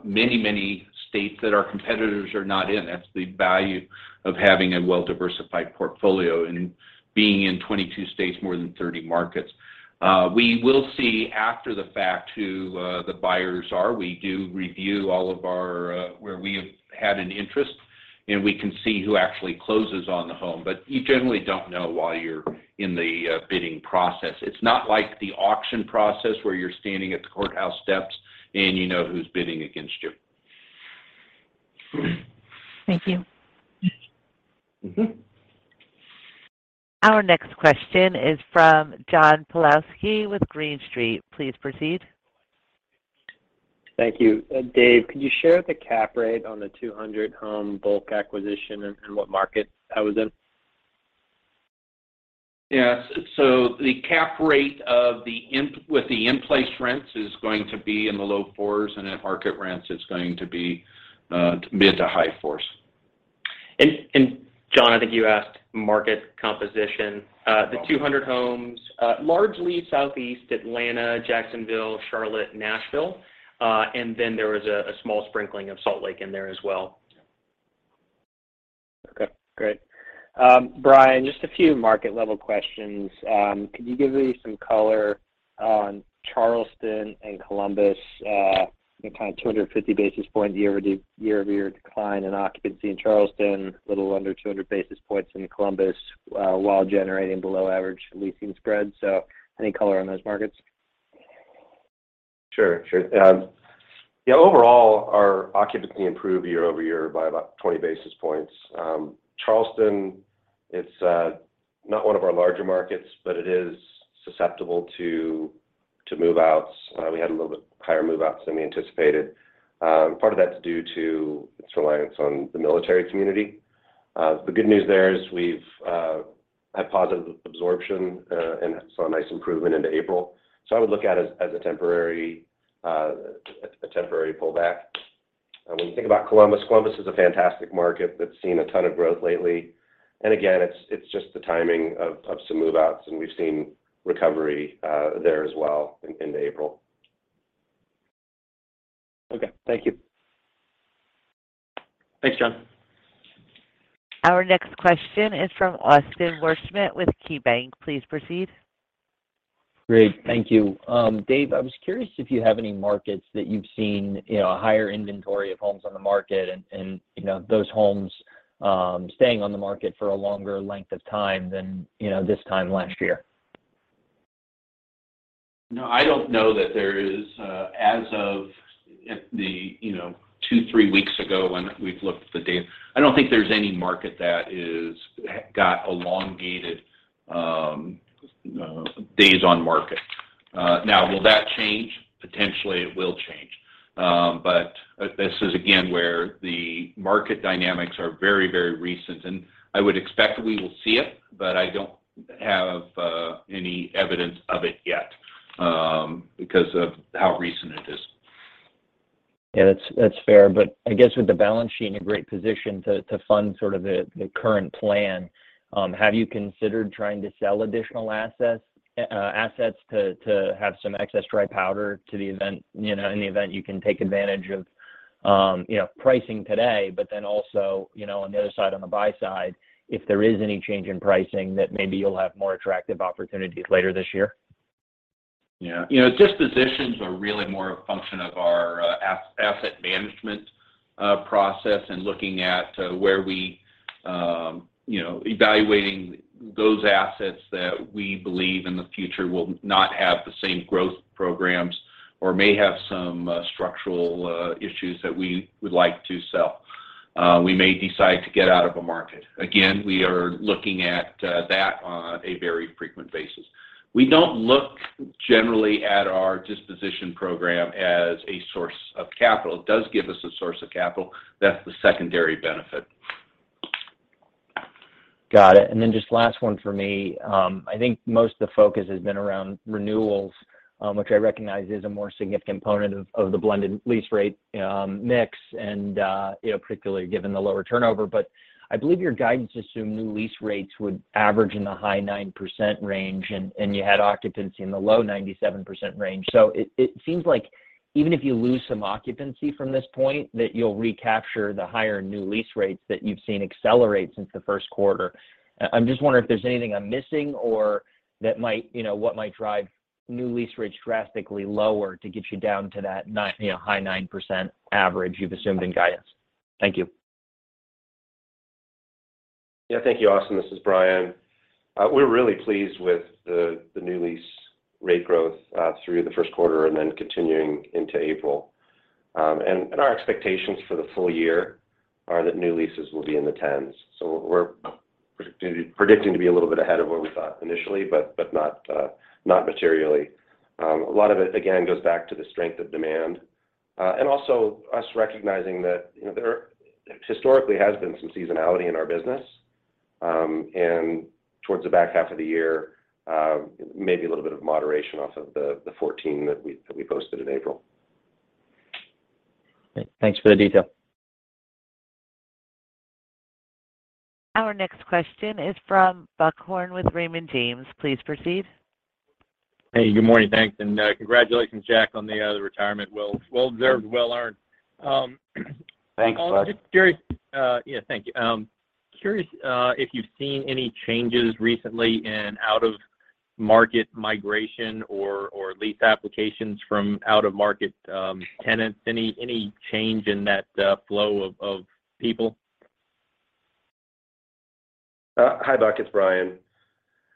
S3: many, many states that our competitors are not in. That's the value of having a well-diversified portfolio and being in 22 states, more than 30 markets. We will see after the fact who the buyers are. We do review all of our where we have had an interest, and we can see who actually closes on the home. You generally don't know while you're in the bidding process. It's not like the auction process where you're standing at the courthouse steps and you know who's bidding against you.
S17: Thank you.
S3: Mm-hmm.
S1: Our next question is from John Pawlowski with Green Street. Please proceed.
S18: Thank you. Dave, could you share the cap rate on the 200-home bulk acquisition and what market that was in?
S3: Yes. The cap rate with the in-place rents is going to be in the low 4%, and at market rents it's going to be mid- to high-4%.
S7: John, I think you asked market composition. The 200 homes largely southeast Atlanta, Jacksonville, Charlotte, Nashville, and then there was a small sprinkling of Salt Lake in there as well.
S3: Okay. Great.
S18: Bryan, just a few market-level questions. Could you give me some color on Charleston and Columbus? You know, kind of 250 basis points year-over-year decline in occupancy in Charleston, a little under 200 basis points in Columbus, while generating below average leasing spreads. Any color on those markets?
S6: Overall our occupancy improved year-over-year by about 20 basis points. Charleston, it's not one of our larger markets, but it is susceptible to move-outs. We had a little bit higher move-outs than we anticipated. Part of that's due to its reliance on the military community. The good news there is we've had positive absorption and saw a nice improvement into April. I would look at it as a temporary pullback. When you think about Columbus, it is a fantastic market that's seen a ton of growth lately. Again, it's just the timing of some move-outs, and we've seen recovery there as well in April.
S18: Okay. Thank you.
S6: Thanks, John.
S1: Our next question is from Austin Wurschmidt with KeyBanc. Please proceed.
S19: Great. Thank you. Dave, I was curious if you have any markets that you've seen, you know, a higher inventory of homes on the market and, you know, those homes staying on the market for a longer length of time than, you know, this time last year?
S3: No, I don't know that there is, as of, you know, two, three weeks ago when we've looked at the data. I don't think there's any market that has got elongated days on market. Now, will that change? Potentially, it will change. This is again where the market dynamics are very, very recent. I would expect that we will see it, but I don't have any evidence of it yet, because of how recent it is.
S19: Yeah. That's fair. I guess with the balance sheet in a great position to fund sort of the current plan, have you considered trying to sell additional assets to have some excess dry powder to the event, you know, in the event you can take advantage of, you know, pricing today, but then also, you know, on the other side, on the buy side, if there is any change in pricing that maybe you'll have more attractive opportunities later this year?
S3: Yeah. You know, dispositions are really more a function of our asset management process and looking at where we you know evaluating those assets that we believe in the future will not have the same growth programs or may have some structural issues that we would like to sell. We may decide to get out of a market. Again, we are looking at that on a very frequent basis. We don't look generally at our disposition program as a source of capital. It does give us a source of capital. That's the secondary benefit.
S19: Got it. Then just last one for me. I think most of the focus has been around renewals, which I recognize is a more significant component of the blended lease rate mix, and you know, particularly given the lower turnover. I believe your guidance assumed new lease rates would average in the high 9% range, and you had occupancy in the low 97% range. It seems like even if you lose some occupancy from this point, that you'll recapture the higher new lease rates that you've seen accelerate since the first quarter. I'm just wondering if there's anything I'm missing or that might, you know, what might drive new lease rates drastically lower to get you down to that nine, you know, high 9% average you've assumed in guidance. Thank you.
S6: Yeah. Thank you, Austin. This is Bryan. We're really pleased with the new lease rate growth through the first quarter and then continuing into April. Our expectations for the full year are that new leases will be in the teens. We're predicting to be a little bit ahead of where we thought initially, but not materially. A lot of it, again, goes back to the strength of demand, and also us recognizing that, you know, there historically has been some seasonality in our business, and towards the back half of the year, maybe a little bit of moderation off of the 14% that we posted in April.
S19: Great. Thanks for the detail.
S1: Our next question is from Buck Horne with Raymond James. Please proceed.
S20: Hey, good morning. Thanks, and congratulations, Jack, on the retirement. Well deserved, well earned.
S4: Thanks, Buck.
S20: Just curious. Yeah, thank you. Curious if you've seen any changes recently in out-of-market migration or lease applications from out-of-market tenants. Any change in that flow of people?
S6: Hi, Buck. It's Bryan.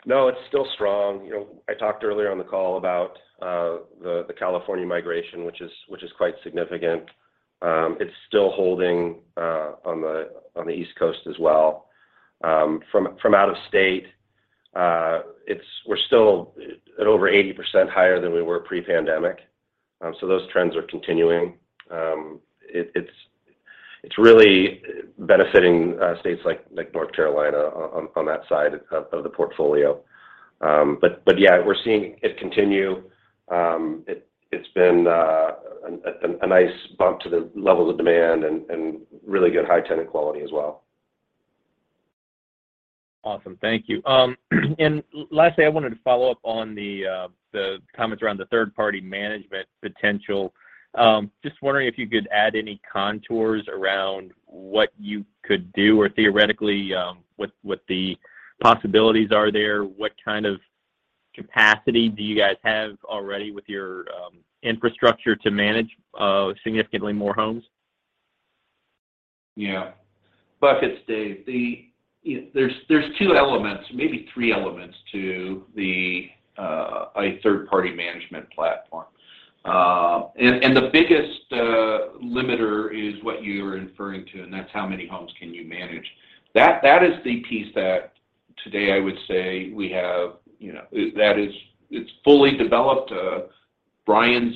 S6: No, it's still strong. You know, I talked earlier on the call about the California migration, which is quite significant. It's still holding on the East Coast as well. From out of state, we're still at over 80% higher than we were pre-pandemic. Those trends are continuing. It's really benefiting states like North Carolina on that side of the portfolio. Yeah, we're seeing it continue. It's been a nice bump to the levels of demand and really good high tenant quality as well.
S20: Awesome. Thank you. Lastly, I wanted to follow up on the comments around the third-party management potential. Just wondering if you could add any contours around what you could do or theoretically what the possibilities are there. What kind of capacity do you guys have already with your infrastructure to manage significantly more homes?
S3: Yeah. Buck, it's Dave. You know, there's two elements, maybe three elements to a third-party management platform. The biggest limiter is what you're referring to, and that's how many homes can you manage. That is the piece that today I would say we have, you know, that is, it's fully developed. Bryan's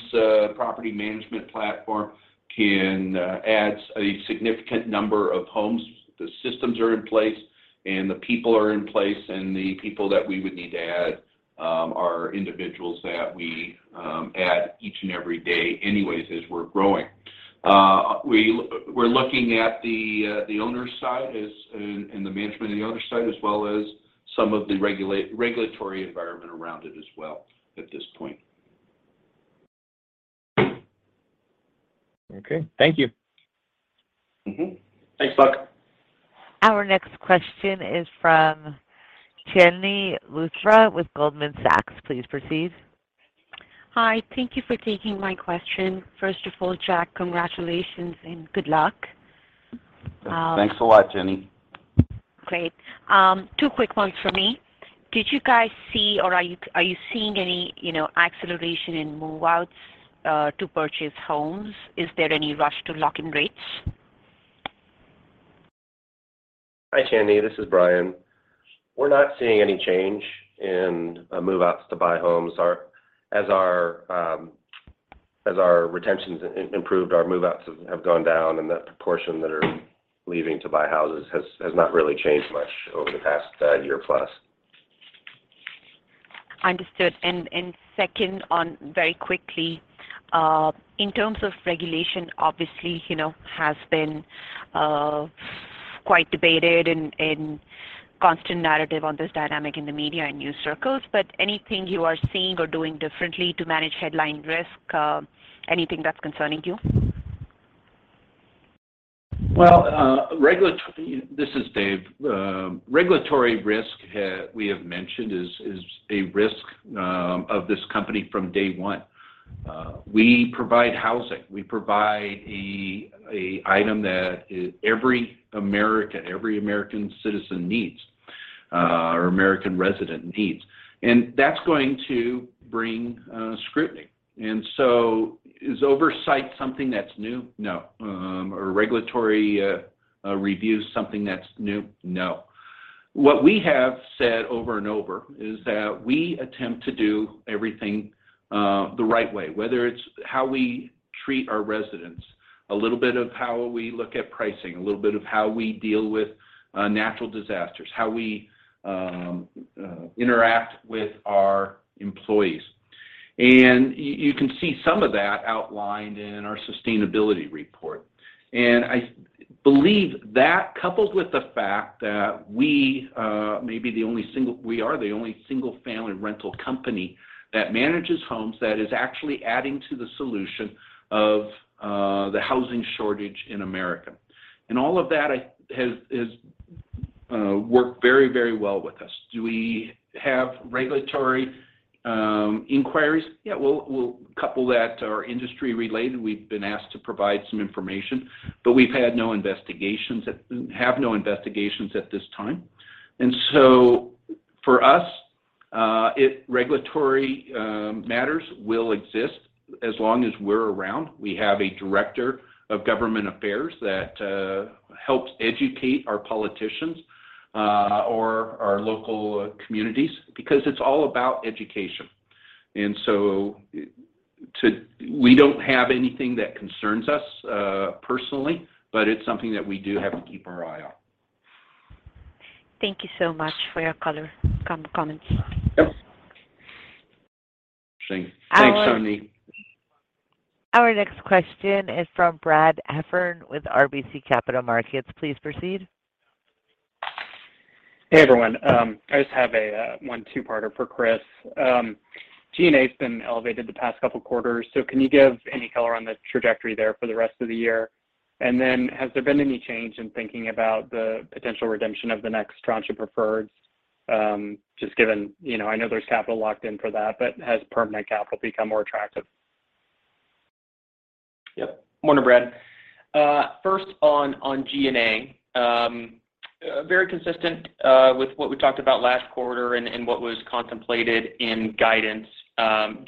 S3: property management platform can add a significant number of homes. The systems are in place. The people are in place, and the people that we would need to add are individuals that we add each and every day anyways as we're growing. We're looking at the owner side as and the management and the owner side as well as some of the regulatory environment around it as well at this point.
S20: Okay. Thank you.
S3: Mm-hmm. Thanks, Buck.
S1: Our next question is from Chandni Luthra with Goldman Sachs. Please proceed.
S21: Hi. Thank you for taking my question. First of all, Jack, congratulations and good luck.
S4: Thanks a lot, Chandni.
S21: Great. Two quick ones from me. Did you guys see or are you seeing any, you know, acceleration in move-outs, to purchase homes? Is there any rush to lock in rates?
S6: Hi, Chandni. This is Bryan. We're not seeing any change in move-outs to buy homes. As our retentions improved, our move-outs have gone down and the proportion that are leaving to buy houses has not really changed much over the past year plus.
S21: Understood. Second, very quickly, in terms of regulation, obviously, you know, has been quite debated in constant narrative on this dynamic in the media and news circles, but anything you are seeing or doing differently to manage headline risk, anything that's concerning you?
S3: This is Dave. Regulatory risk we have mentioned is a risk of this company from day one. We provide housing. We provide an item that every American citizen needs or American resident needs, and that's going to bring scrutiny. Is oversight something that's new? No. Are regulatory reviews something that's new? No. What we have said over and over is that we attempt to do everything the right way, whether it's how we treat our residents, a little bit of how we look at pricing, a little bit of how we deal with natural disasters, how we interact with our employees. You can see some of that outlined in our sustainability report. I believe that coupled with the fact that we may be the only single. We are the only single-family rental company that manages homes that is actually adding to the solution of the housing shortage in America. All of that has worked very, very well with us. Do we have regulatory inquiries? Yeah. We'll couple that or industry related. We've been asked to provide some information, but we have no investigations at this time. For us, regulatory matters will exist as long as we're around. We have a director of government affairs that helps educate our politicians or our local communities because it's all about education. We don't have anything that concerns us personally, but it's something that we do have to keep our eye on.
S21: Thank you so much for your color comments.
S3: Yep.
S7: Thanks. Thanks, Chandni.
S1: Our next question is from Brad Heffern with RBC Capital Markets. Please proceed.
S22: Hey, everyone. I just have a one two-parter for Chris. G&A's been elevated the past couple quarters, so can you give any color on the trajectory there for the rest of the year? Has there been any change in thinking about the potential redemption of the next tranche of preferred, just given, you know. I know there's capital locked in for that, but has permanent capital become more attractive?
S7: Yep. Morning, Brad. First on G&A, very consistent with what we talked about last quarter and what was contemplated in guidance.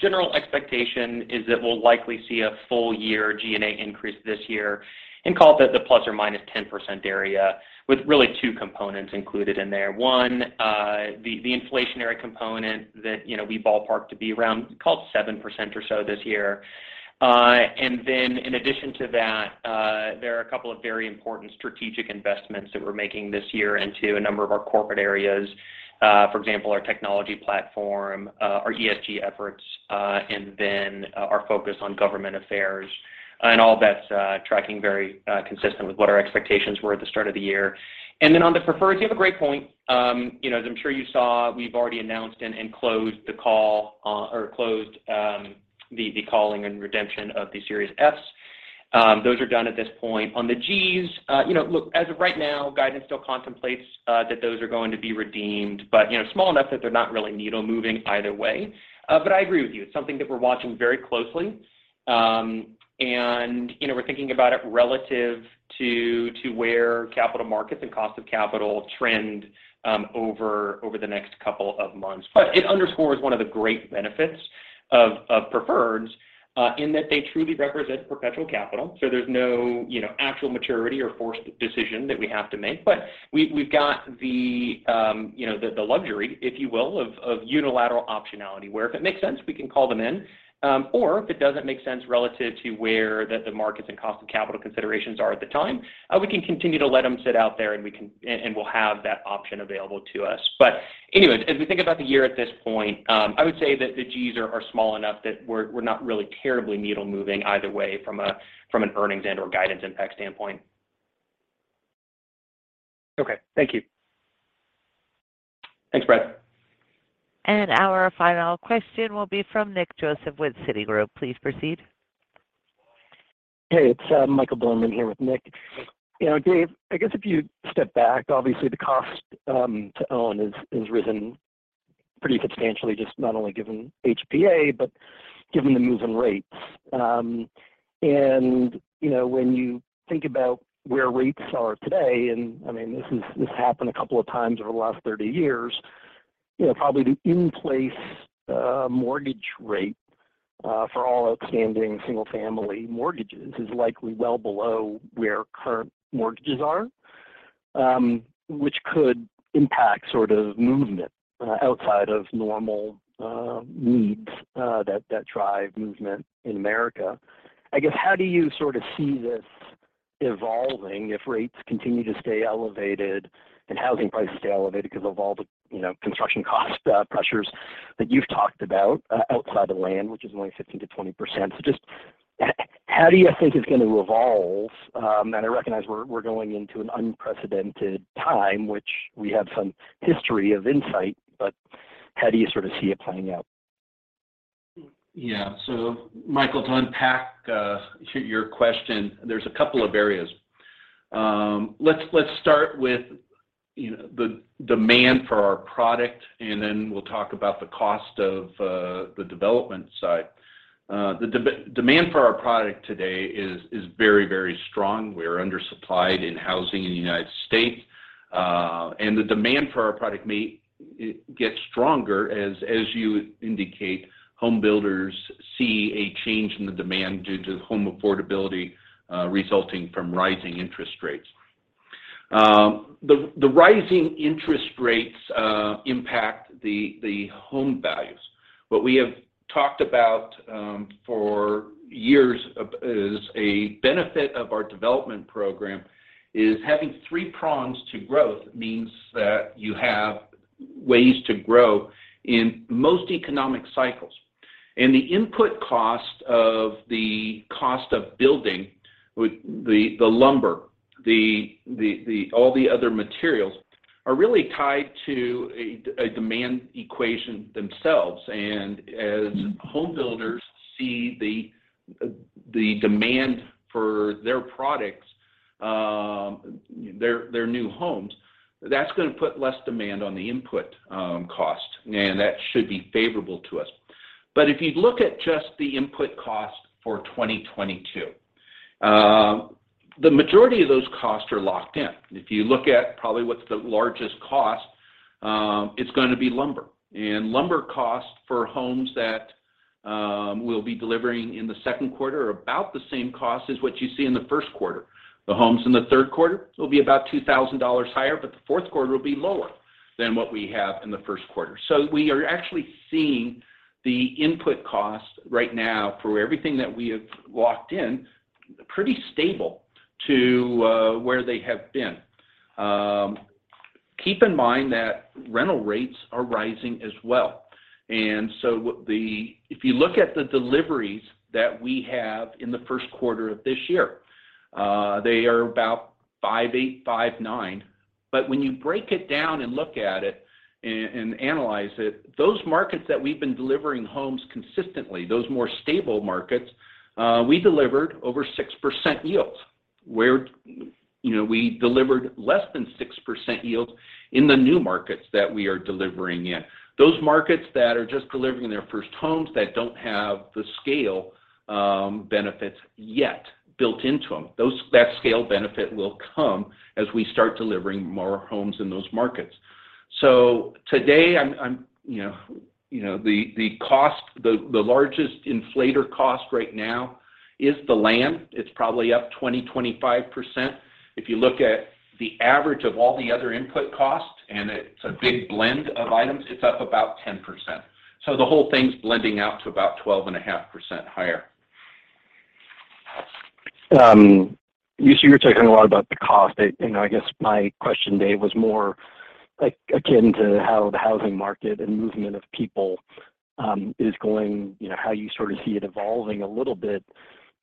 S7: General expectation is that we'll likely see a full year G&A increase this year and call that the ±10% area with really two components included in there. One, the inflationary component that, you know, we ballpark to be around call it 7% or so this year. And then in addition to that, there are a couple of very important strategic investments that we're making this year into a number of our corporate areas. For example, our technology platform, our ESG efforts, and then our focus on government affairs. All that's tracking very consistent with what our expectations were at the start of the year. On the preferred, you have a great point. You know, as I'm sure you saw, we've already announced and closed the calling and redemption of the Series F's. Those are done at this point. On the G's, you know, look, as of right now, guidance still contemplates that those are going to be redeemed, but you know, small enough that they're not really needle moving either way. But I agree with you. It's something that we're watching very closely. You know, we're thinking about it relative to where capital markets and cost of capital trend over the next couple of months. But it underscores one of the great benefits of preferreds, in that they truly represent perpetual capital. There's no, you know, actual maturity or forced decision that we have to make. We've got the, you know, the luxury, if you will, of unilateral optionality, where if it makes sense, we can call them in. Or if it doesn't make sense relative to where the markets and cost of capital considerations are at the time, we can continue to let them sit out there, and we'll have that option available to us. Anyways, as we think about the year at this point, I would say that the Gs are small enough that we're not really terribly needle-moving either way from an earnings and/or guidance impact standpoint.
S22: Okay. Thank you.
S3: Thanks, Brad.
S1: Our final question will be from Nick Joseph with Citigroup. Please proceed.
S23: Hey, it's Michael Bilerman here with Nick. You know, David, I guess if you step back, obviously the cost to own has risen pretty substantially, just not only given HPA, but given the moves in rates. You know, when you think about where rates are today, and I mean, this happened a couple of times over the last 30 years. You know, probably the in-place mortgage rate for all outstanding single-family mortgages is likely well below where current mortgages are, which could impact sort of movement outside of normal needs that drive movement in America. I guess, how do you sort of see this evolving if rates continue to stay elevated and housing prices stay elevated because of all the, you know, construction cost pressures that you've talked about outside of land, which is only 15%-20%? Just how do you think it's going to evolve? I recognize we're going into an unprecedented time, which we have some history of insight, but how do you sort of see it playing out?
S3: Yeah. Michael, to unpack your question, there's a couple of areas. Let's start with you know the demand for our product, and then we'll talk about the cost of the development side. The demand for our product today is very very strong. We're undersupplied in housing in the U.S. The demand for our product may get stronger. As you indicate, home builders see a change in the demand due to home affordability resulting from rising interest rates. The rising interest rates impact the home values. What we have talked about for years is a benefit of our development program is having three prongs to growth means that you have ways to grow in most economic cycles. The input cost of building with the lumber, all the other materials are really tied to a demand equation themselves. As home builders see the demand for their products, their new homes, that's going to put less demand on the input cost, and that should be favorable to us. If you look at just the input cost for 2022, the majority of those costs are locked in. If you look at probably what's the largest cost, it's gonna be lumber. Lumber cost for homes that we'll be delivering in the second quarter are about the same cost as what you see in the first quarter. The homes in the third quarter will be about $2,000 higher, but the fourth quarter will be lower than what we have in the first quarter. We are actually seeing the input cost right now for everything that we have locked in pretty stable to where they have been. Keep in mind that rental rates are rising as well. If you look at the deliveries that we have in the first quarter of this year, they are about 5.8, 5.9. But when you break it down and look at it and analyze it, those markets that we've been delivering homes consistently, those more stable markets, we delivered over 6% yields, where, you know, we delivered less than 6% yields in the new markets that we are delivering in. Those markets that are just delivering their first homes that don't have the scale benefits yet built into them, that scale benefit will come as we start delivering more homes in those markets. Today, you know, the cost, the largest inflator cost right now is the land. It's probably up 20-25%. If you look at the average of all the other input costs, and it's a big blend of items, it's up about 10%. The whole thing's blending out to about 12.5% higher.
S23: You're talking a lot about the cost. I guess my question, David, was more like akin to how the housing market and movement of people is going, you know, how you sort of see it evolving a little bit,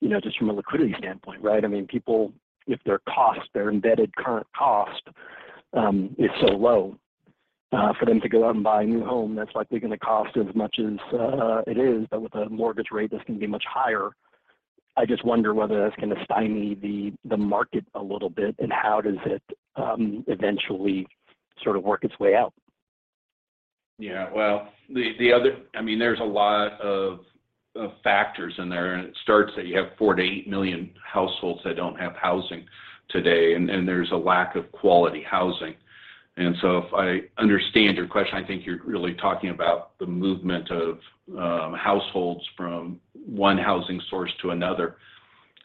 S23: you know, just from a liquidity standpoint, right? I mean, people, if their cost, their embedded current cost is so low, for them to go out and buy a new home, that's likely going to cost as much as it is, but with a mortgage rate that's going to be much higher. I just wonder whether that's going to stymie the market a little bit, and how does it eventually sort of work its way out?
S3: Yeah. Well, I mean, there's a lot of factors in there, and it starts that you have 4-8 million households that don't have housing today, and there's a lack of quality housing. If I understand your question, I think you're really talking about the movement of households from one housing source to another.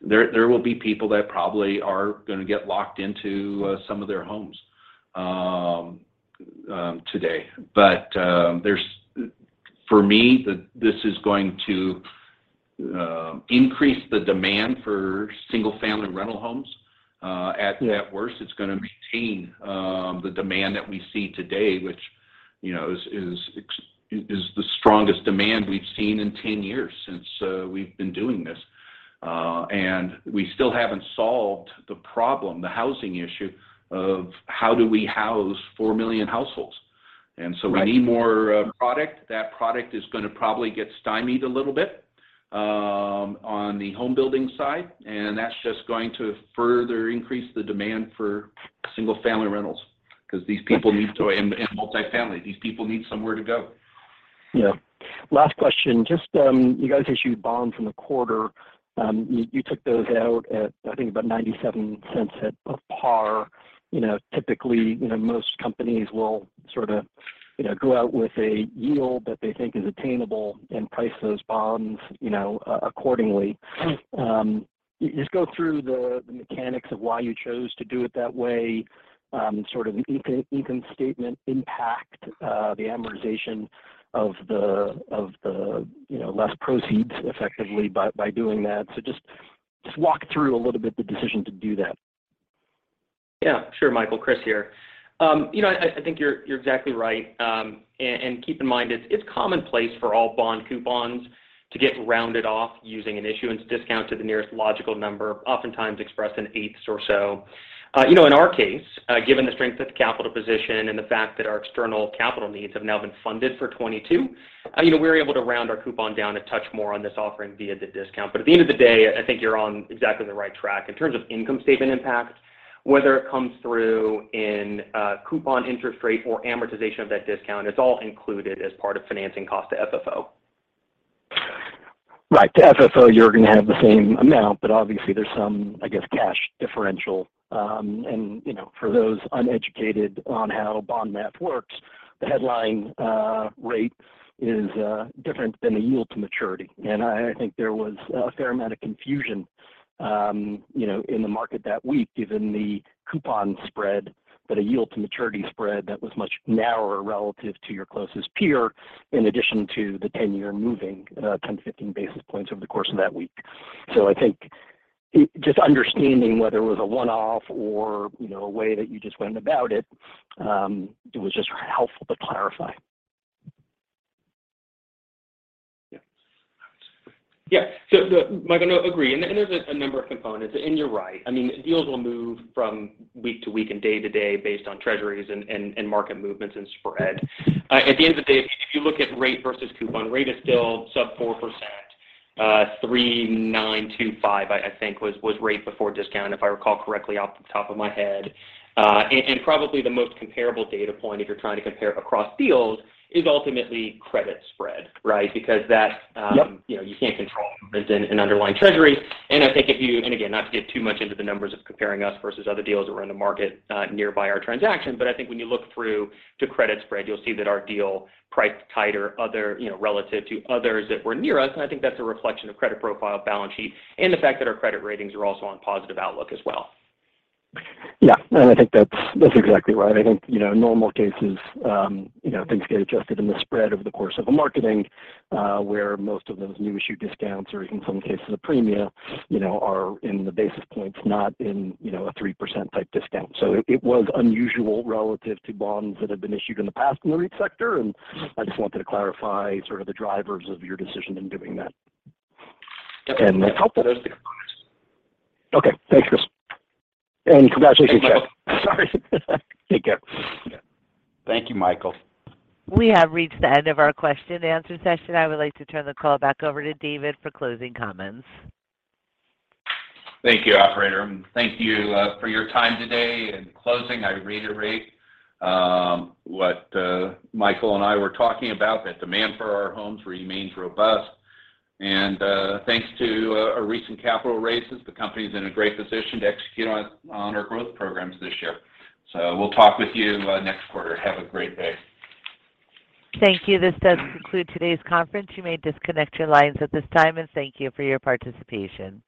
S3: There will be people that probably are gonna get locked into some of their homes today. For me, this is going to increase the demand for single-family rental homes.
S23: Yeah
S3: At worst, it's gonna maintain the demand that we see today, which, you know, is the strongest demand we've seen in 10 years since we've been doing this. We still haven't solved the problem, the housing issue of how do we house 4 million households.
S23: Right
S3: We need more product. That product is gonna probably get stymied a little bit on the home building side, and that's just going to further increase the demand for single-family rentals and multi-family, because these people need somewhere to go.
S23: Yeah. Last question. Just you guys issued bonds in the quarter. You took those out at, I think, about $0.97 at par. You know, typically, you know, most companies will sort of, you know, go out with a yield that they think is attainable and price those bonds, you know, accordingly. Just go through the mechanics of why you chose to do it that way, sort of the income statement impact, the amortization of the you know less proceeds effectively by doing that. Just walk through a little bit the decision to do that.
S7: Yeah, sure, Michael. Chris here. You know, I think you're exactly right. And keep in mind, it's commonplace for all bond coupons to get rounded off using an issuance discount to the nearest logical number, oftentimes expressed in eighths or so. You know, in our case, given the strength of the capital position and the fact that our external capital needs have now been funded for 2022, you know, we're able to round our coupon down a touch more on this offering via the discount. But at the end of the day, I think you're on exactly the right track. In terms of income statement impact, whether it comes through in a coupon interest rate or amortization of that discount, it's all included as part of financing cost to FFO.
S23: Right. To FFO, you're gonna have the same amount, but obviously there's some, I guess, cash differential. You know, for those uneducated on how bond math works, the headline rate is different than the yield to maturity. I think there was a fair amount of confusion, you know, in the market that week, given the coupon spread, but a yield to maturity spread that was much narrower relative to your closest peer, in addition to the 10-year moving 10 to 15 basis points over the course of that week. I think just understanding whether it was a one-off or, you know, a way that you just went about it was just helpful to clarify.
S7: Yeah. Michael, no, agree. There's a number of components, and you're right. I mean, deals will move from week to week and day to day based on treasuries and market movements and spread. At the end of the day, if you look at rate versus coupon, rate is still sub 4%. 3.925, I think was rate before discount, if I recall correctly off the top of my head. Probably the most comparable data point if you're trying to compare across deals is ultimately credit spread, right? Because that
S23: Yep
S7: You know, you can't control versus an underlying Treasury. Again, not to get too much into the numbers or comparing us versus other deals that were in the market nearby our transaction, but I think when you look through to credit spread, you'll see that our deal priced tighter, other, you know, relative to others that were near us. I think that's a reflection of credit profile, balance sheet, and the fact that our credit ratings are also on positive outlook as well.
S23: Yeah. I think that's exactly right. I think, you know, in normal cases, you know, things get adjusted in the spread over the course of a marketing, where most of those new issue discounts or in some cases a premia, you know, are in the basis points, not in, you know, a 3% type discount. It was unusual relative to bonds that have been issued in the past in the REIT sector, and I just wanted to clarify sort of the drivers of your decision in doing that.
S7: Definitely.
S23: It's helpful.
S7: Those are the components.
S23: Okay. Thanks, Chris. Congratulations, Jack.
S7: Thanks, Michael.
S23: Sorry. Take care.
S3: Thank you, Michael.
S1: We have reached the end of our question and answer session. I would like to turn the call back over to David for closing comments.
S3: Thank you, operator. Thank you for your time today. In closing, I reiterate what Michael and I were talking about, that demand for our homes remains robust. Thanks to our recent capital raises, the company is in a great position to execute on our growth programs this year. We'll talk with you next quarter. Have a great day.
S1: Thank you. This does conclude today's conference. You may disconnect your lines at this time, and thank you for your participation.